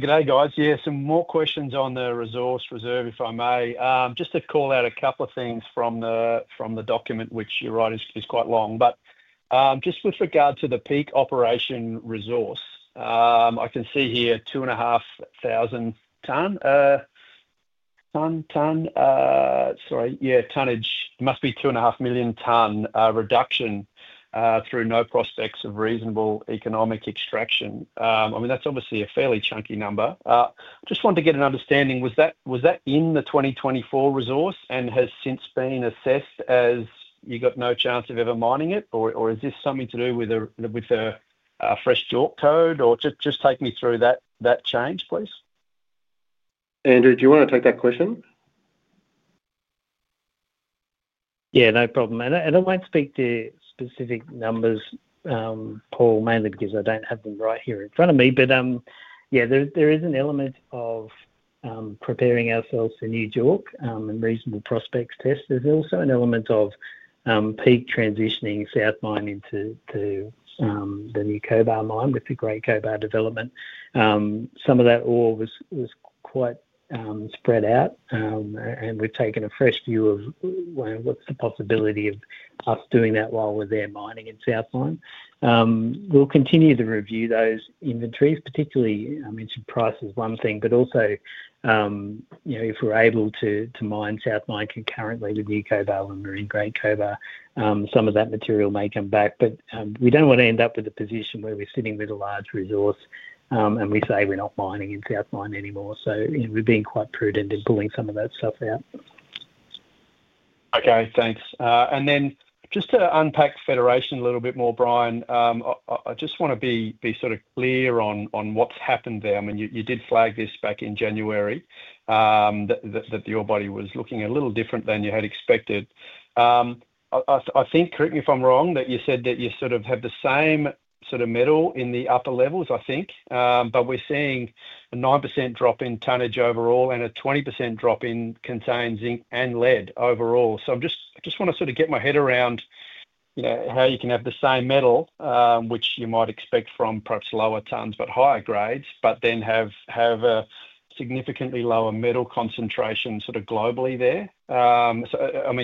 Good day, guys. Yeah, some more questions on the resource reserve, if I may. Just to call out a couple of things from the document, which you're right, is quite long. Just with regard to the Peak operation resource, I can see here 2.5 million tonnes reduction through no prospects of reasonable economic extraction. I mean, that's obviously a fairly chunky number. I just wanted to get an understanding. Was that in the 2024 resource and has since been assessed as you've got no chance of ever mining it? Or is this something to do with a fresh JORC code? Just take me through that change, please. Andrew, do you want to take that question? Yeah, no problem. I won't speak to specific numbers. Paul may have to give us, I don't have them right here in front of me. There is an element of preparing ourselves for New York and reasonable prospects test. There's also an element of Peak transitioning South Mine into the new Cobar mine with the Great Cobar development. Some of that ore was quite spread out, and we've taken a fresh view of what's the possibility of us doing that while we're there mining in South Mine. We'll continue to review those inventories. I mentioned price is one thing, but also, you know, if we're able to mine South Mine concurrently with the new Cobar when we're in Great Cobar, some of that material may come back. We don't want to end up with a position where we're sitting with a large resource and we say we're not mining in South Mine anymore. We're being quite prudent in pulling some of that stuff out. Okay, thanks. Just to unpack Federation a little bit more, Bryan, I just want to be sort of clear on what's happened there. You did flag this back in January that the ore body was looking a little different than you had expected. I think, correct me if I'm wrong, that you said that you sort of have the same sort of metal in the upper levels, I think. We're seeing a 9% drop in tonnage overall and a 20% drop in contained zinc and lead overall. I just want to sort of get my head around how you can have the same metal, which you might expect from perhaps lower tonnes but higher grades, but then have a significantly lower metal concentration sort of globally there.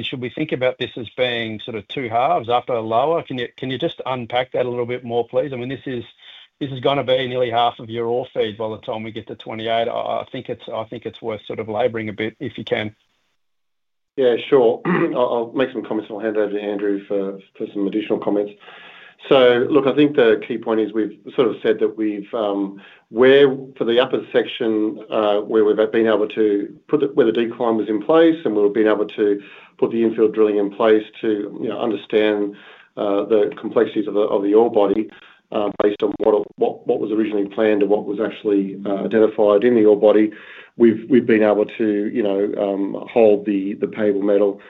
Should we think about this as being sort of two halves after a lower? Can you just unpack that a little bit more, please? This is going to be nearly half of your ore feed by the time we get to 2028. I think it's worth sort of laboring a bit if you can. Yeah, sure. I'll make some comments and I'll hand over to Andrew for some additional comments. I think the key point is we've sort of said that for the upper section where we've been able to put where the decline was in place and we've been able to put the infield drilling in place to understand the complexities of the ore body based on what was originally planned and what was actually identified in the ore body. We've been able to hold the payable metal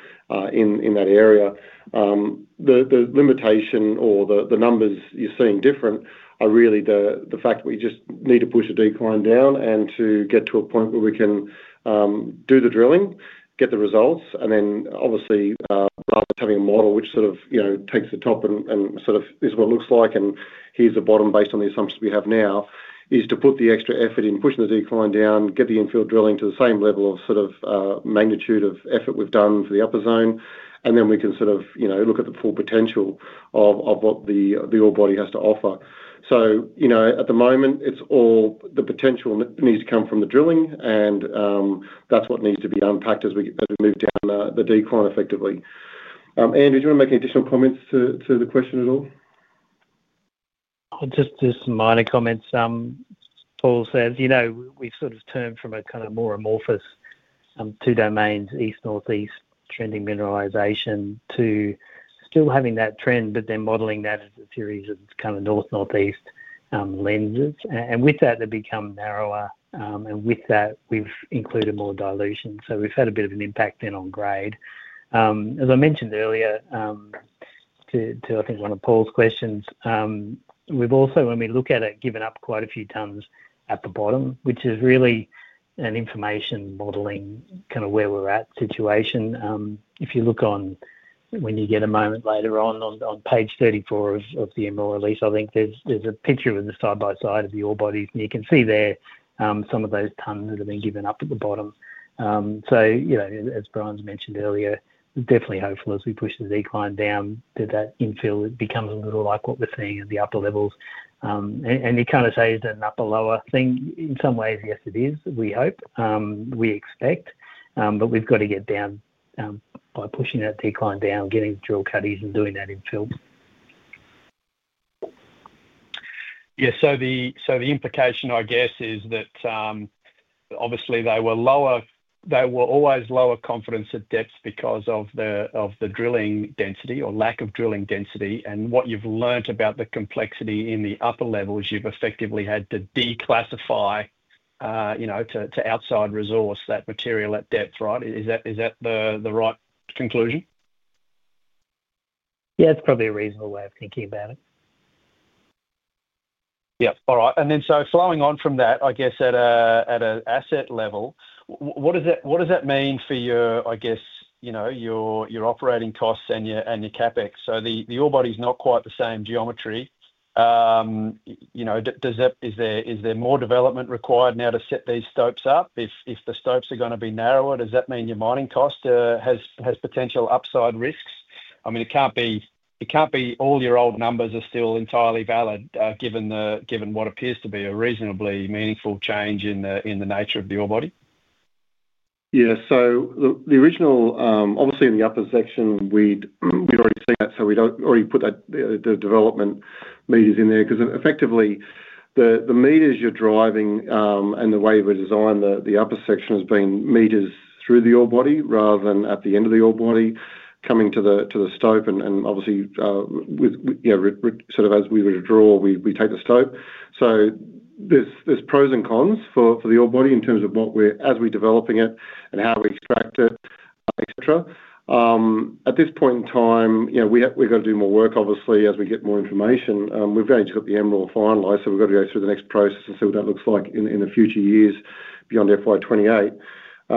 in that area. The limitation or the numbers you're seeing different are really the fact that we just need to push a decline down and to get to a point where we can do the drilling, get the results, and then obviously, rather than having a model which sort of takes the top and is what it looks like and here's the bottom based on the assumptions we have now, is to put the extra effort in pushing the decline down, get the infield drilling to the same level of magnitude of effort we've done for the upper zone. We can look at the full potential of what the ore body has to offer. At the moment, it's all the potential needs to come from the drilling, and that's what needs to be unpacked as we move down the decline effectively. Andrew, do you want to make any additional comments to the question at all? Just some minor comments. Paul said, you know, we've sort of turned from a kind of more amorphous two domains, east-northeast trending mineralization to still having that trend, but then modeling that as a series of kind of north-northeast lenses. With that, they become narrower. With that, we've included more dilution. We've had a bit of an impact then on grade. As I mentioned earlier to, I think, one of Paul's questions, we've also, when we look at it, given up quite a few tonnes at the bottom, which is really an information modeling kind of where we're at situation. If you look on, when you get a moment later on, on page 34 of the MRA release, I think there's a picture of the side by side of the ore bodies, and you can see there some of those tonnes that have been given up at the bottom. As Bryan's mentioned earlier, we're definitely hopeful as we push the decline down to that infill, it becomes a little like what we're seeing at the upper levels. It kind of says that an upper-lower thing, in some ways, yes, it is. We hope, we expect, but we've got to get down by pushing that decline down, getting drill cutties, and doing that infill. Yeah, so the implication, I guess, is that obviously they were lower, they were always lower confidence at depth because of the drilling density or lack of drilling density. What you've learned about the complexity in the upper levels, you've effectively had to declassify, you know, to outside resource that material at depth, right? Is that the right conclusion? Yeah, it's probably a reasonable way of thinking about it. All right. Following on from that, at an asset level, what does that mean for your operating costs and your CapEx? The ore body's not quite the same geometry. Is there more development required now to set these stopes up? If the stopes are going to be narrower, does that mean your mining cost has potential upside risks? It can't be all your old numbers are still entirely valid given what appears to be a reasonably meaningful change in the nature of the ore body. Yeah, so the original, obviously, in the upper section, we'd already seen that. We'd already put the development meters in there because, effectively, the meters you're driving and the way we designed the upper section has been meters through the ore body rather than at the end of the ore body coming to the stope. Obviously, as we were to draw, we take the stope. There's pros and cons for the ore body in terms of what we're, as we're developing it and how we extract it, etc. At this point in time, we've got to do more work, obviously, as we get more information. We've only just got the MRA finalized, so we've got to go through the next process and see what that looks like in the future years beyond FY 2028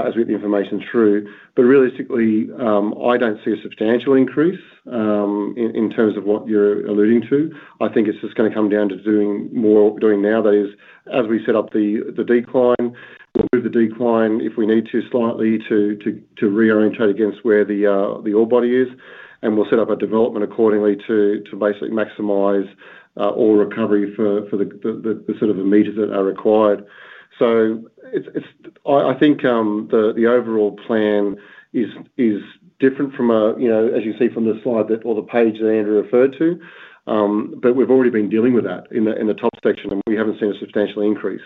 as we get the information through. Realistically, I don't see a substantial increase in terms of what you're alluding to. I think it's just going to come down to doing more of what we're doing now, that is, as we set up the decline, we'll move the decline if we need to slightly to reorientate against where the ore body is. We'll set up a development accordingly to basically maximize ore recovery for the sort of meters that are required. I think the overall plan is different from a, you know, as you can see from the slide or the page that Andrewreferred to. We've already been dealing with that in the top section, and we haven't seen a substantial increase.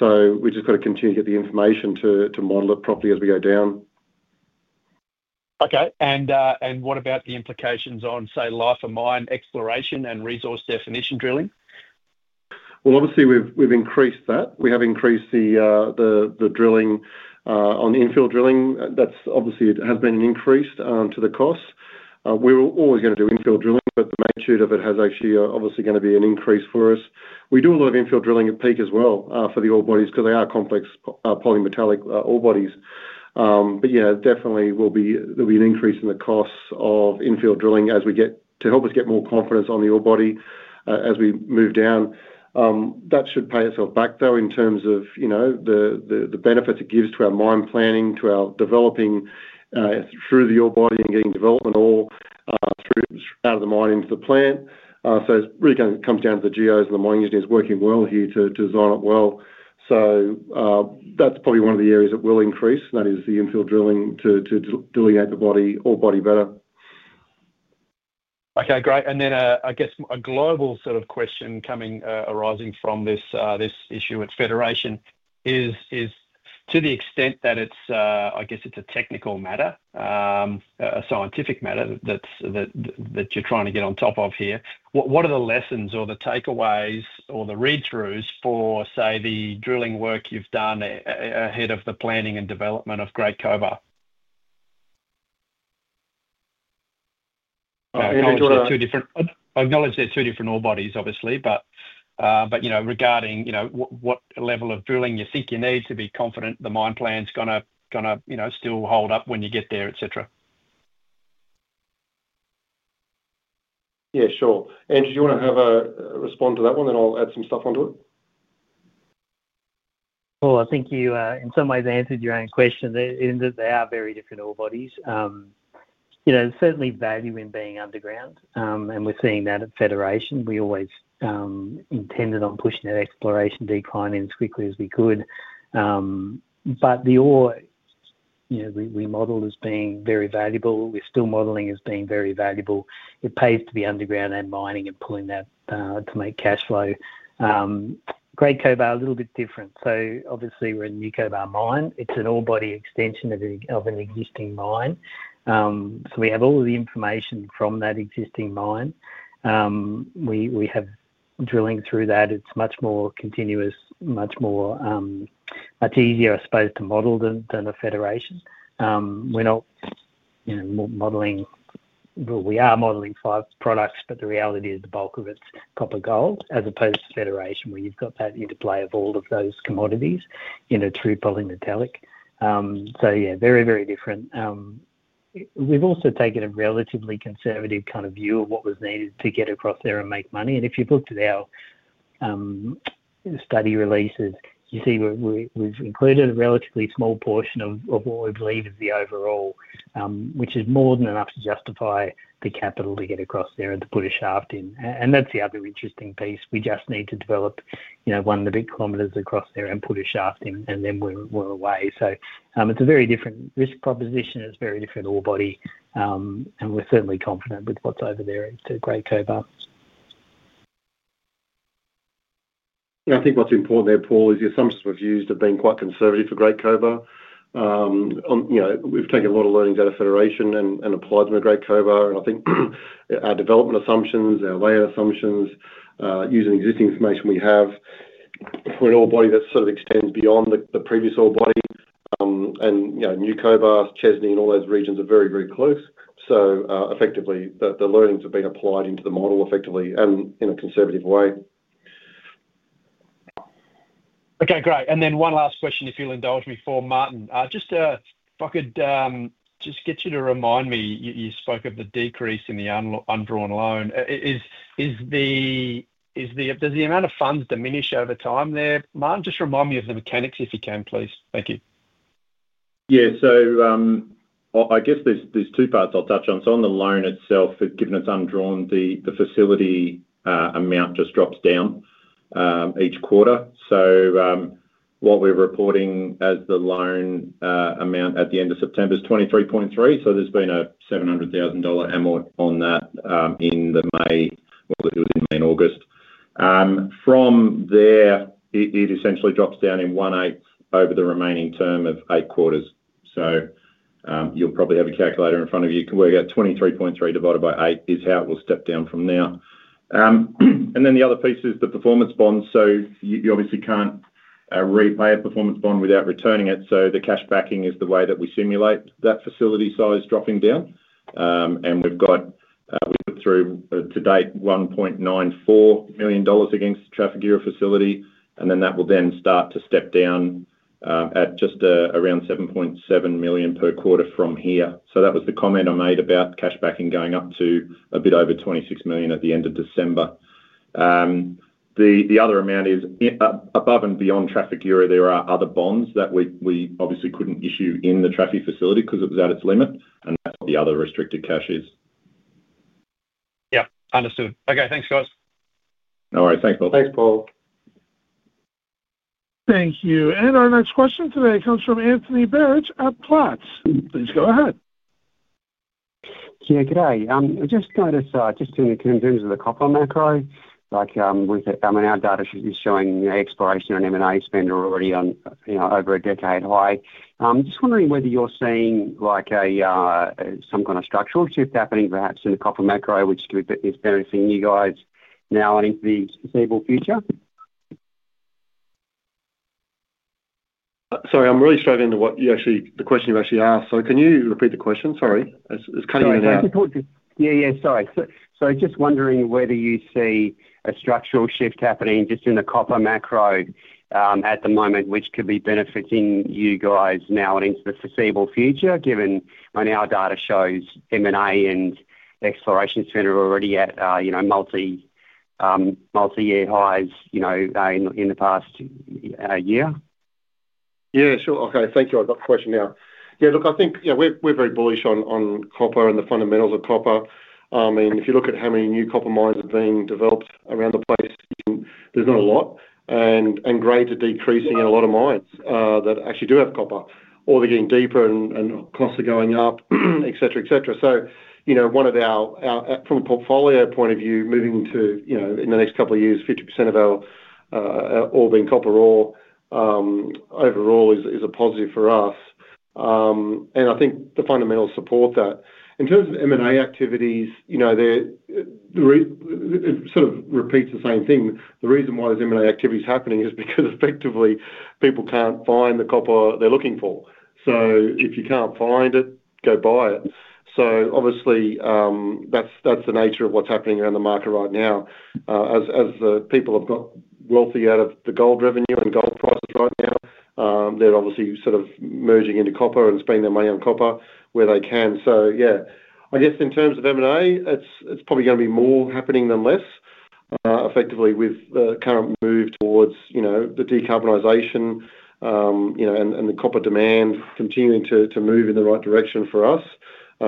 We've just got to continue to get the information to model it properly as we go down. Okay. What about the implications on, say, life of mine exploration and resource definition drilling? Obviously, we've increased that. We have increased the drilling on the infield drilling. That has been an increase to the cost. We're always going to do infield drilling, but the magnitude of it is actually going to be an increase for us. We do a lot of infield drilling at Peak as well for the ore bodies because they are complex polymetallic ore bodies. Yeah, definitely, there'll be an increase in the costs of infield drilling to help us get more confidence on the ore body as we move down. That should pay itself back, though, in terms of the benefits it gives to our mine planning, to our developing through the ore body and getting development ore out of the mine into the plant. It really comes down to the geos and the mining engineers working well here to design it well. That's probably one of the areas that will increase, and that is the infield drilling to delineate the ore body better. Okay, great. I guess a global sort of question coming arising from this issue at Federation is to the extent that it's, I guess, it's a technical matter, a scientific matter that you're trying to get on top of here. What are the lessons or the takeaways or the read-throughs for, say, the drilling work you've done ahead of the planning and development of Great Cobar? I acknowledge they're two different ore bodies, obviously, but regarding what level of drilling you think you need to be confident the mine plan's going to still hold up when you get there, etc? Yeah, sure. Andrew, do you want to have a response to that one? I'll add some stuff onto it. Paul, I think you, in some ways, answered your own question. In that they are very different ore bodies. There's certainly value in being underground, and we're seeing that at Federation. We always intended on pushing that exploration decline in as quickly as we could. The ore, you know, we modeled as being very valuable. We're still modeling as being very valuable. It pays to be underground and mining and pulling that to make cash flow. Great Cobar, a little bit different. Obviously, we're in a new Cobar mine. It's an ore body extension of an existing mine. We have all of the information from that existing mine. We have drilling through that. It's much more continuous, much easier, I suppose, to model than at Federation. We're not, you know, modeling, well, we are modeling five products, but the reality is the bulk of it's copper gold as opposed to Federation where you've got that interplay of all of those commodities through polymetallic. Very, very different. We've also taken a relatively conservative kind of view of what was needed to get across there and make money. If you looked at our study releases, you see we've included a relatively small portion of what we believe is the overall, which is more than enough to justify the capital to get across there and to put a shaft in. That's the other interesting piece. We just need to develop, you know, one of the big kilometers across there and put a shaft in, and then we're away. It's a very different risk proposition. It's a very different ore body. We're certainly confident with what's over there to Great Cobar. Yeah, I think what's important there, Paul, is the assumptions we've used have been quite conservative for Great Cobar. We've taken a lot of learnings out of Federation and applied them to Great Cobar. I think our development assumptions, our layer assumptions, using the existing information we have for an ore body that extends beyond the previous ore body. New Cobar, Chesney, and all those regions are very, very close. Effectively, the learnings have been applied into the model effectively and in a conservative way. Okay, great. One last question if you'll indulge me for Martin. If I could just get you to remind me, you spoke of the decrease in the undrawn loan. Does the amount of funds diminish over time there? Martin, just remind me of the mechanics if you can, please. Thank you. Yeah, I guess there's two parts I'll touch on. On the loan itself, given it's undrawn, the facility amount just drops down each quarter. What we're reporting as the loan amount at the end of September is 23.3 million. There's been a 700,000 dollar amount on that in May and August. From there, it essentially drops down in one-eighth over the remaining term of eight quarters. You probably have a calculator in front of you. We're at 23.3 million divided by eight, which is how it will step down from now. The other piece is the performance bond. You obviously can't repay a performance bond without returning it. The cash backing is the way that we simulate that facility size dropping down. We've put through to date 1.94 million dollars against the Trafigura facility. That will then start to step down at just around 7.7 million per quarter from here. That was the comment I made about cash backing going up to a bit over 26 million at the end of December. The other amount is above and beyond Trafigura. There are other bonds that we obviously couldn't issue in the Trafigura facility because it was at its limit. That's what the other restricted cash is. Yeah, understood. Okay, thanks, guys. All right. Thanks, Bryan. Thanks, Paul. Thank you. Our next question today comes from Anthony Barich at Platts. Please go ahead. Yeah, good day. I just noticed, just in terms of the copper macro, like with our data is showing exploration and M&A spend are already on, you know, over a decade high. I'm just wondering whether you're seeing like some kind of structural shift happening perhaps in the copper macro, which is benefiting you guys now and into the foreseeable future? I'm really straight into what you actually, the question you've actually asked. Can you repeat the question? Sorry. It's cutting in and out. Sorry, just wondering whether you see a structural shift happening just in the copper macro at the moment, which could be benefiting you guys now and into the foreseeable future, given when our data shows M&A and exploration spend are already at multi-year highs in the past year. Yeah, sure. Okay, thank you. I've got the question now. Yeah, look, I think, you know, we're very bullish on copper and the fundamentals of copper. I mean, if you look at how many new copper mines are being developed around the place, there's not a lot. Grades are decreasing in a lot of mines that actually do have copper, or they're getting deeper and costs are going up, etc., etc. One of our, from a portfolio point of view, moving to, you know, in the next couple of years, 50% of our ore being copper ore overall is a positive for us. I think the fundamentals support that. In terms of M&A activities, it sort of repeats the same thing. The reason why there's M&A activities happening is because effectively, people can't find the copper they're looking for. If you can't find it, go buy it. Obviously, that's the nature of what's happening around the market right now. As the people have got wealthy out of the gold revenue and gold prices right now, they're obviously sort of merging into copper and spending their money on copper where they can. I guess in terms of M&A, it's probably going to be more happening than less, effectively with the current move towards, you know, the decarbonisation, you know, and the copper demand continuing to move in the right direction for us.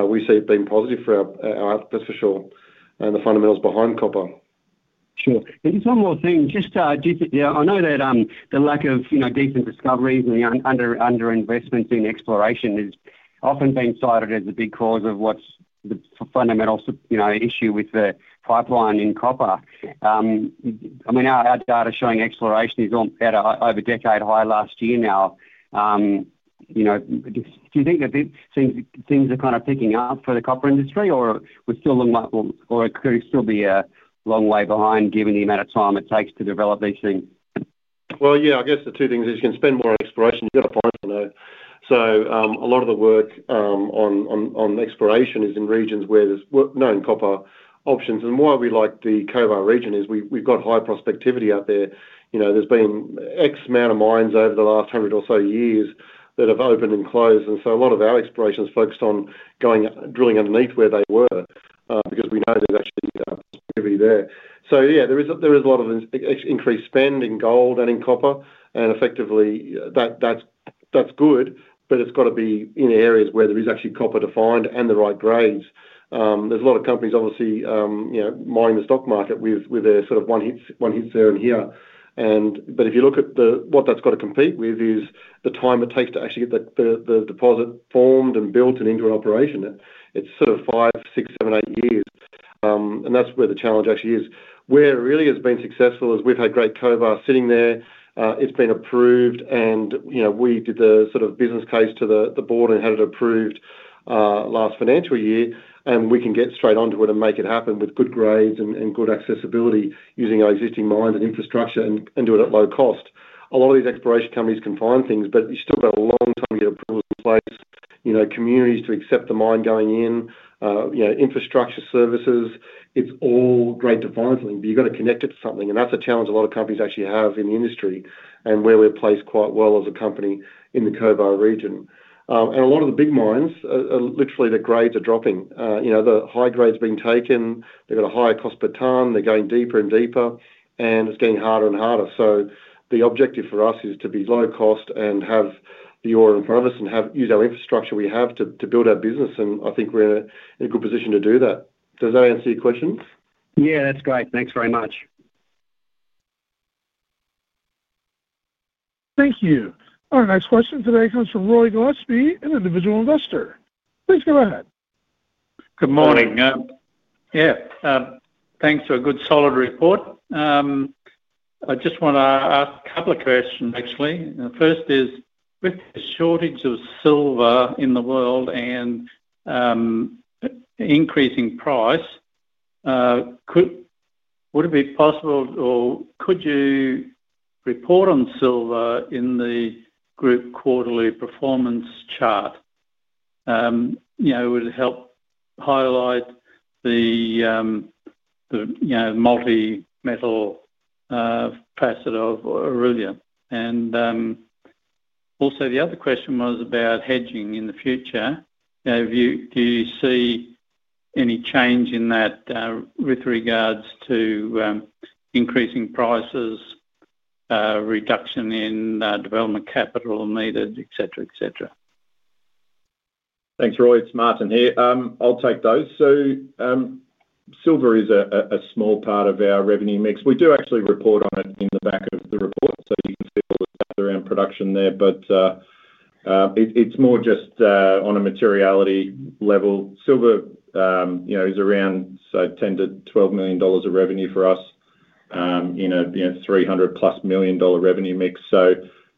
We see it being positive for our outputs, for sure, and the fundamentals behind copper. Sure. Just one more thing. I know that the lack of decent discoveries and the underinvestment in exploration has often been cited as a big cause of what's the fundamental issue with the pipeline in copper. I mean, our data showing exploration is at an over-decade high last year now. Do you think that things are kind of picking up for the copper industry, or could it still be a long way behind given the amount of time it takes to develop these things? I guess the two things is you can spend more on exploration, you've got to find somewhere. A lot of the work on exploration is in regions where there's known copper options. Why we like the Cobar region is we've got high prospectivity out there. There's been X amount of mines over the last hundred or so years that have opened and closed. A lot of our exploration is focused on going drilling underneath where they were because we know there's actually prospectivity there. There is a lot of increased spend in gold and in copper, and effectively, that's good, but it's got to be in areas where there is actually copper to find and the right grades. There's a lot of companies obviously mining the stock market with a sort of one-hit zone here, but if you look at what that's got to compete with, it's the time it takes to actually get the deposit formed and built and into an operation. It's sort of five, six, seven, eight years, and that's where the challenge actually is. Where it really has been successful is we've had Great Cobar sitting there. It's been approved, and we did the sort of business case to the board and had it approved last financial year. We can get straight onto it and make it happen with good grades and good accessibility using our existing mines and infrastructure and do it at low cost. A lot of these exploration companies can find things, but you still got a long time to get approvals in place, communities to accept the mine going in, infrastructure services. It's all great devicing, but you've got to connect it to something. That's a challenge a lot of companies actually have in the industry and where we're placed quite well as a company in the Cobar region. A lot of the big mines, literally, the grades are dropping. The high grades being taken, they've got a higher cost per ton. They're going deeper and deeper, and it's getting harder and harder. The objective for us is to be low cost and have the ore in front of us and use our infrastructure we have to build our business. I think we're in a good position to do that. Does that answer your questions? Yeah, that's great. Thanks very much. Thank you. Our next question today comes from Roy Gillespie, an individual investor. Please go ahead. Good morning. Yeah, thanks for a good solid report. I just want to ask a couple of questions, actually. The first is, with the shortage of silver in the world and increasing price, would it be possible or could you report on silver in the group quarterly performance chart? Would it help highlight the multi-metal facet of Aurelia Metals? Also, the other question was about hedging in the future. Do you see any change in that with regards to increasing prices, reduction in development capital needed, etc., etc.? Thanks, Roy. It's Martin here. I'll take those. Silver is a small part of our revenue mix. We do actually report on it in the back of the report. You can see all the stuff around production there. It's more just on a materiality level. Silver is around 10 million-12 million dollars of revenue for us in a 300 million dollar+ revenue mix.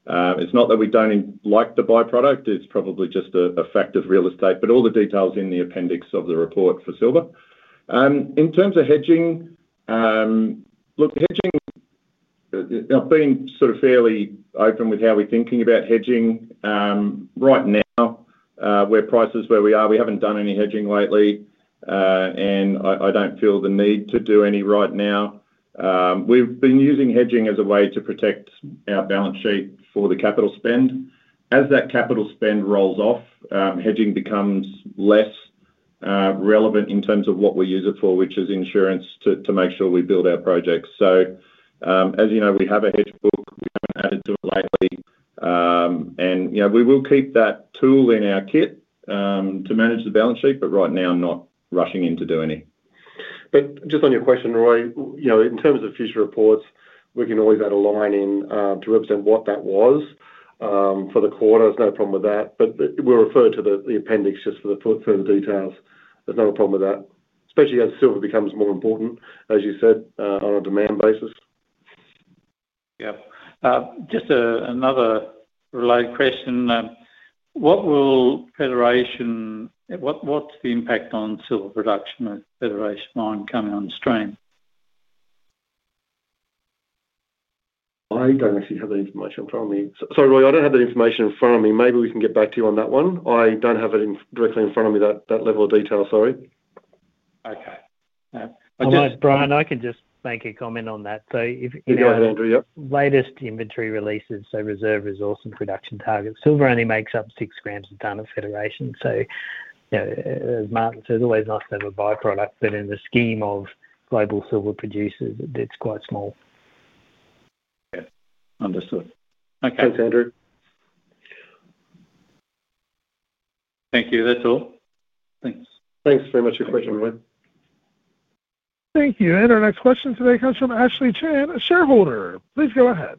It's not that we don't like the byproduct. It's probably just a fact of real estate. All the details are in the appendix of the report for silver. In terms of hedging, look, I've been fairly open with how we're thinking about hedging. Right now, with prices where we are, we haven't done any hedging lately. I don't feel the need to do any right now. We've been using hedging as a way to protect our balance sheet for the capital spend. As that capital spend rolls off, hedging becomes less relevant in terms of what we use it for, which is insurance to make sure we build our projects. As you know, we have a hedge book. We haven't added to it lately. We will keep that tool in our kit to maintain. Balance sheet, but right now I'm not rushing in to do any. On your question, Roy, in terms of future reports, we can always add a line in to represent what that was for the quarter. There's no problem with that. We'll refer to the appendix just for the full details. There's not a problem with that, especially as silver becomes more important, as you said, on a demand basis. Yep. Just another related question. What will Federation, what's the impact on silver production of Federation mine coming on stream? I don't actually have that information in front of me. Sorry, Roy, I don't have that information in front of me. Maybe we can get back to you on that one. I don't have it directly in front of me, that level of detail, sorry. Okay. Bryan, I can just make a comment on that. If you... Go ahead, Andrew. ...latest inventory releases, so reserve resource and production targets, silver only makes up 6 g a tonne at Federation. As Martin says, it's always nice to have a byproduct, but in the scheme of global silver producers, it's quite small. Yeah, understood. Okay, Andrew. Thank you. That's all. Thanks. Thanks very much for your question, everyone. Thank you. Our next question today comes from Ashley Chan, a shareholder. Please go ahead.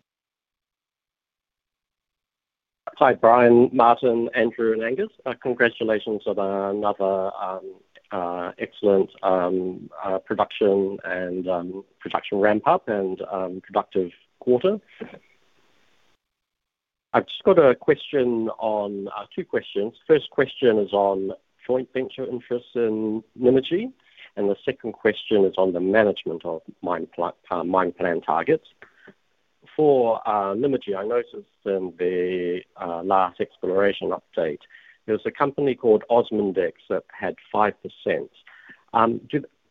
Hi, Bryan, Martin, Andrew, and Angus. Congratulations on another excellent production and production ramp-up and productive quarter. I've just got a question on two questions. The first question is on joint venture interests in Nymagee, and the second question is on the management of mine plan targets. For Nymagee, I noticed in the last exploration update, there was a company called Osmond Ex that had 5%.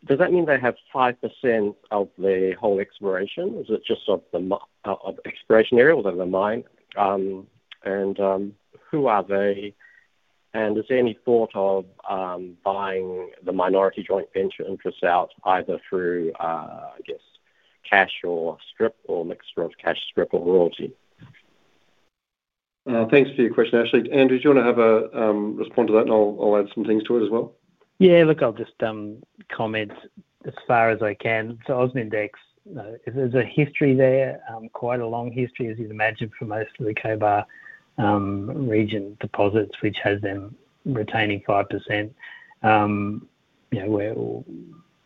Does that mean they have 5% of the whole exploration? Is it just of the exploration area or the mine? Who are they, and is there any thought of buying the minority joint venture interests out either through, I guess, cash or strip or a mixture of cash, strip, or royalty? Thanks for your question, Ashley. Andrew, do you want to respond to that, and I'll add some things to it as well? Yeah. I'll just comment as far as I can. Osmond Ex, there's a history there, quite a long history, as you'd imagine, for most of the Cobar region deposits, which has them retaining 5%.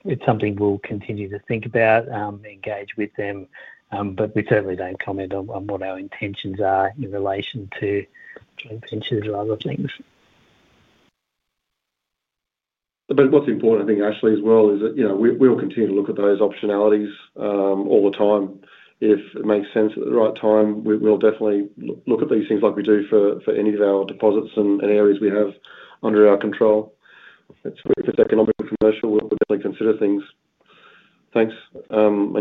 It's something we'll continue to think about, engage with them, but we certainly don't comment on what our intentions are in relation to joint ventures or other things. What’s important, I think, Ashley, as well, is that we’ll continue to look at those optionalities all the time. If it makes sense at the right time, we’ll definitely look at these things like we do for any of our deposits and areas we have under our control. If it’s economic or commercial, we’ll definitely consider things. Thanks.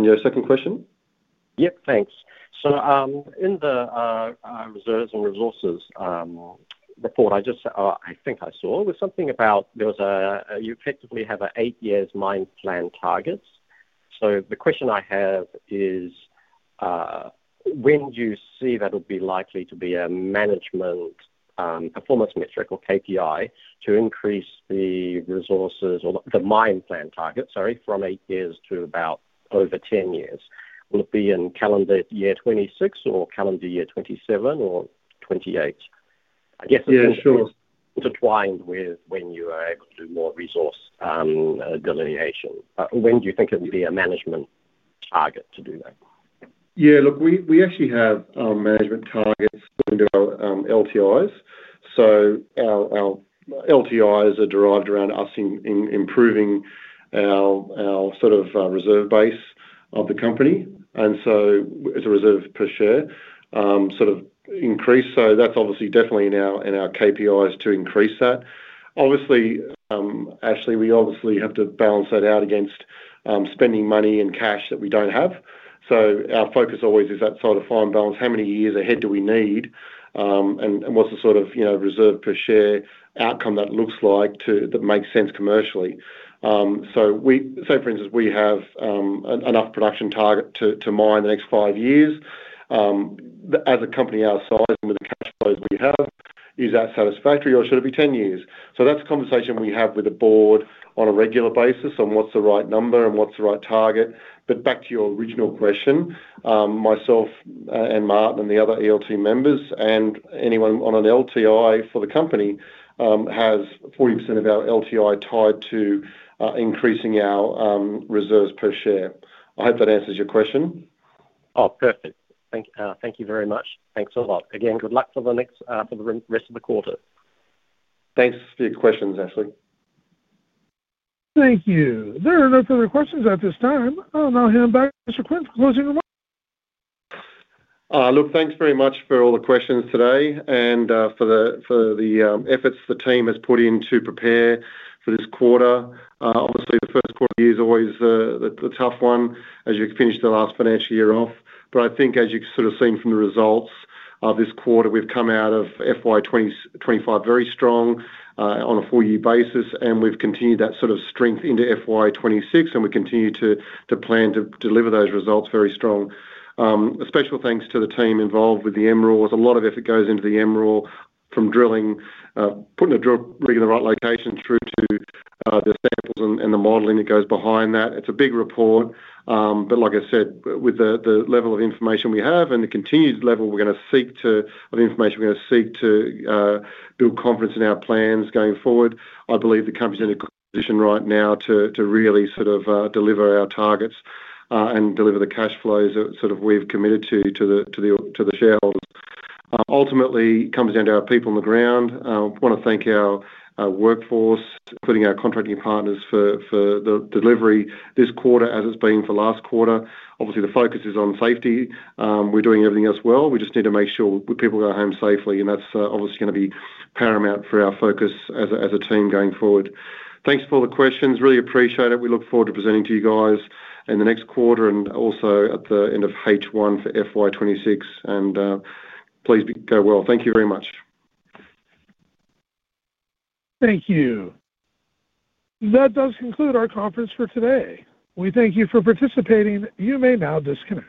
Your second question? Thanks. In the reserves and resources report, I think I saw something about you effectively have an eight-year mine plan target. The question I have is when do you see that will be likely to be a management performance metric or KPI to increase the resources or the mine plan target, sorry, from eight years to about over 10 years? Will it be in calendar year 2026 or calendar year 2027 or 2028? I guess it's intertwined with when you are able to do more resource delineation. When do you think it would be a management target to do that? Yeah. Look, we actually have management targets under our LTIs. Our LTIs are derived around us improving our sort of reserve base of the company, and it's a reserve per share sort of increase. That's definitely in our KPIs to increase that. Obviously, Ashley, we have to balance that out against spending money and cash that we don't have. Our focus always is that sort of fine balance. How many years ahead do we need? What's the sort of reserve per share outcome that looks like that makes sense commercially? For instance, we have enough production target to mine the next five years. As a company our size and with the cash flows we have, is that satisfactory or should it be 10 years? That's a conversation we have with the board on a regular basis on what's the right number and what's the right target. Back to your original question, myself and Martin and the other ELT members and anyone on an LTI for the company has 40% of our LTI tied to increasing our reserves per share. I hope that answers your question. Oh, perfect. Thank you very much. Thanks a lot. Again, good luck for the rest of the quarter. Thanks for your questions, Ashley. Thank you. There are no further questions at this time. I'll hand back to Mr. Quinn for closing remarks. Look, thanks very much for all the questions today and for the efforts the team has put in to prepare for this quarter. Obviously, the first quarter of the year is always the tough one as you finish the last financial year off. I think as you've sort of seen from the results of this quarter, we've come out of FY 2025 very strong on a four-year basis, and we've continued that sort of strength into FY 2026, and we continue to plan to deliver those results very strong. A special thanks to the team involved with the MRA. A lot of effort goes into the MRA from drilling, putting a drill rig in the right location through to the samples and the modeling that goes behind that. It's a big report. Like I said, with the level of information we have and the continued level we're going to seek to, of the information we're going to seek to build confidence in our plans going forward, I believe the company's in a good position right now to really sort of deliver our targets and deliver the cash flows that sort of we've committed to the shareholders. Ultimately, it comes down to our people on the ground. I want to thank our workforce, including our contracting partners, for the delivery this quarter as it's been for last quarter. Obviously, the focus is on safety. We're doing everything else well. We just need to make sure people go home safely, and that's obviously going to be paramount for our focus as a team going forward. Thanks for all the questions. Really appreciate it. We look forward to presenting to you guys in the next quarter and also at the end of H1 for FY 2026. Please go well. Thank you very much. Thank you. That does conclude our conference for today. We thank you for participating. You may now disconnect.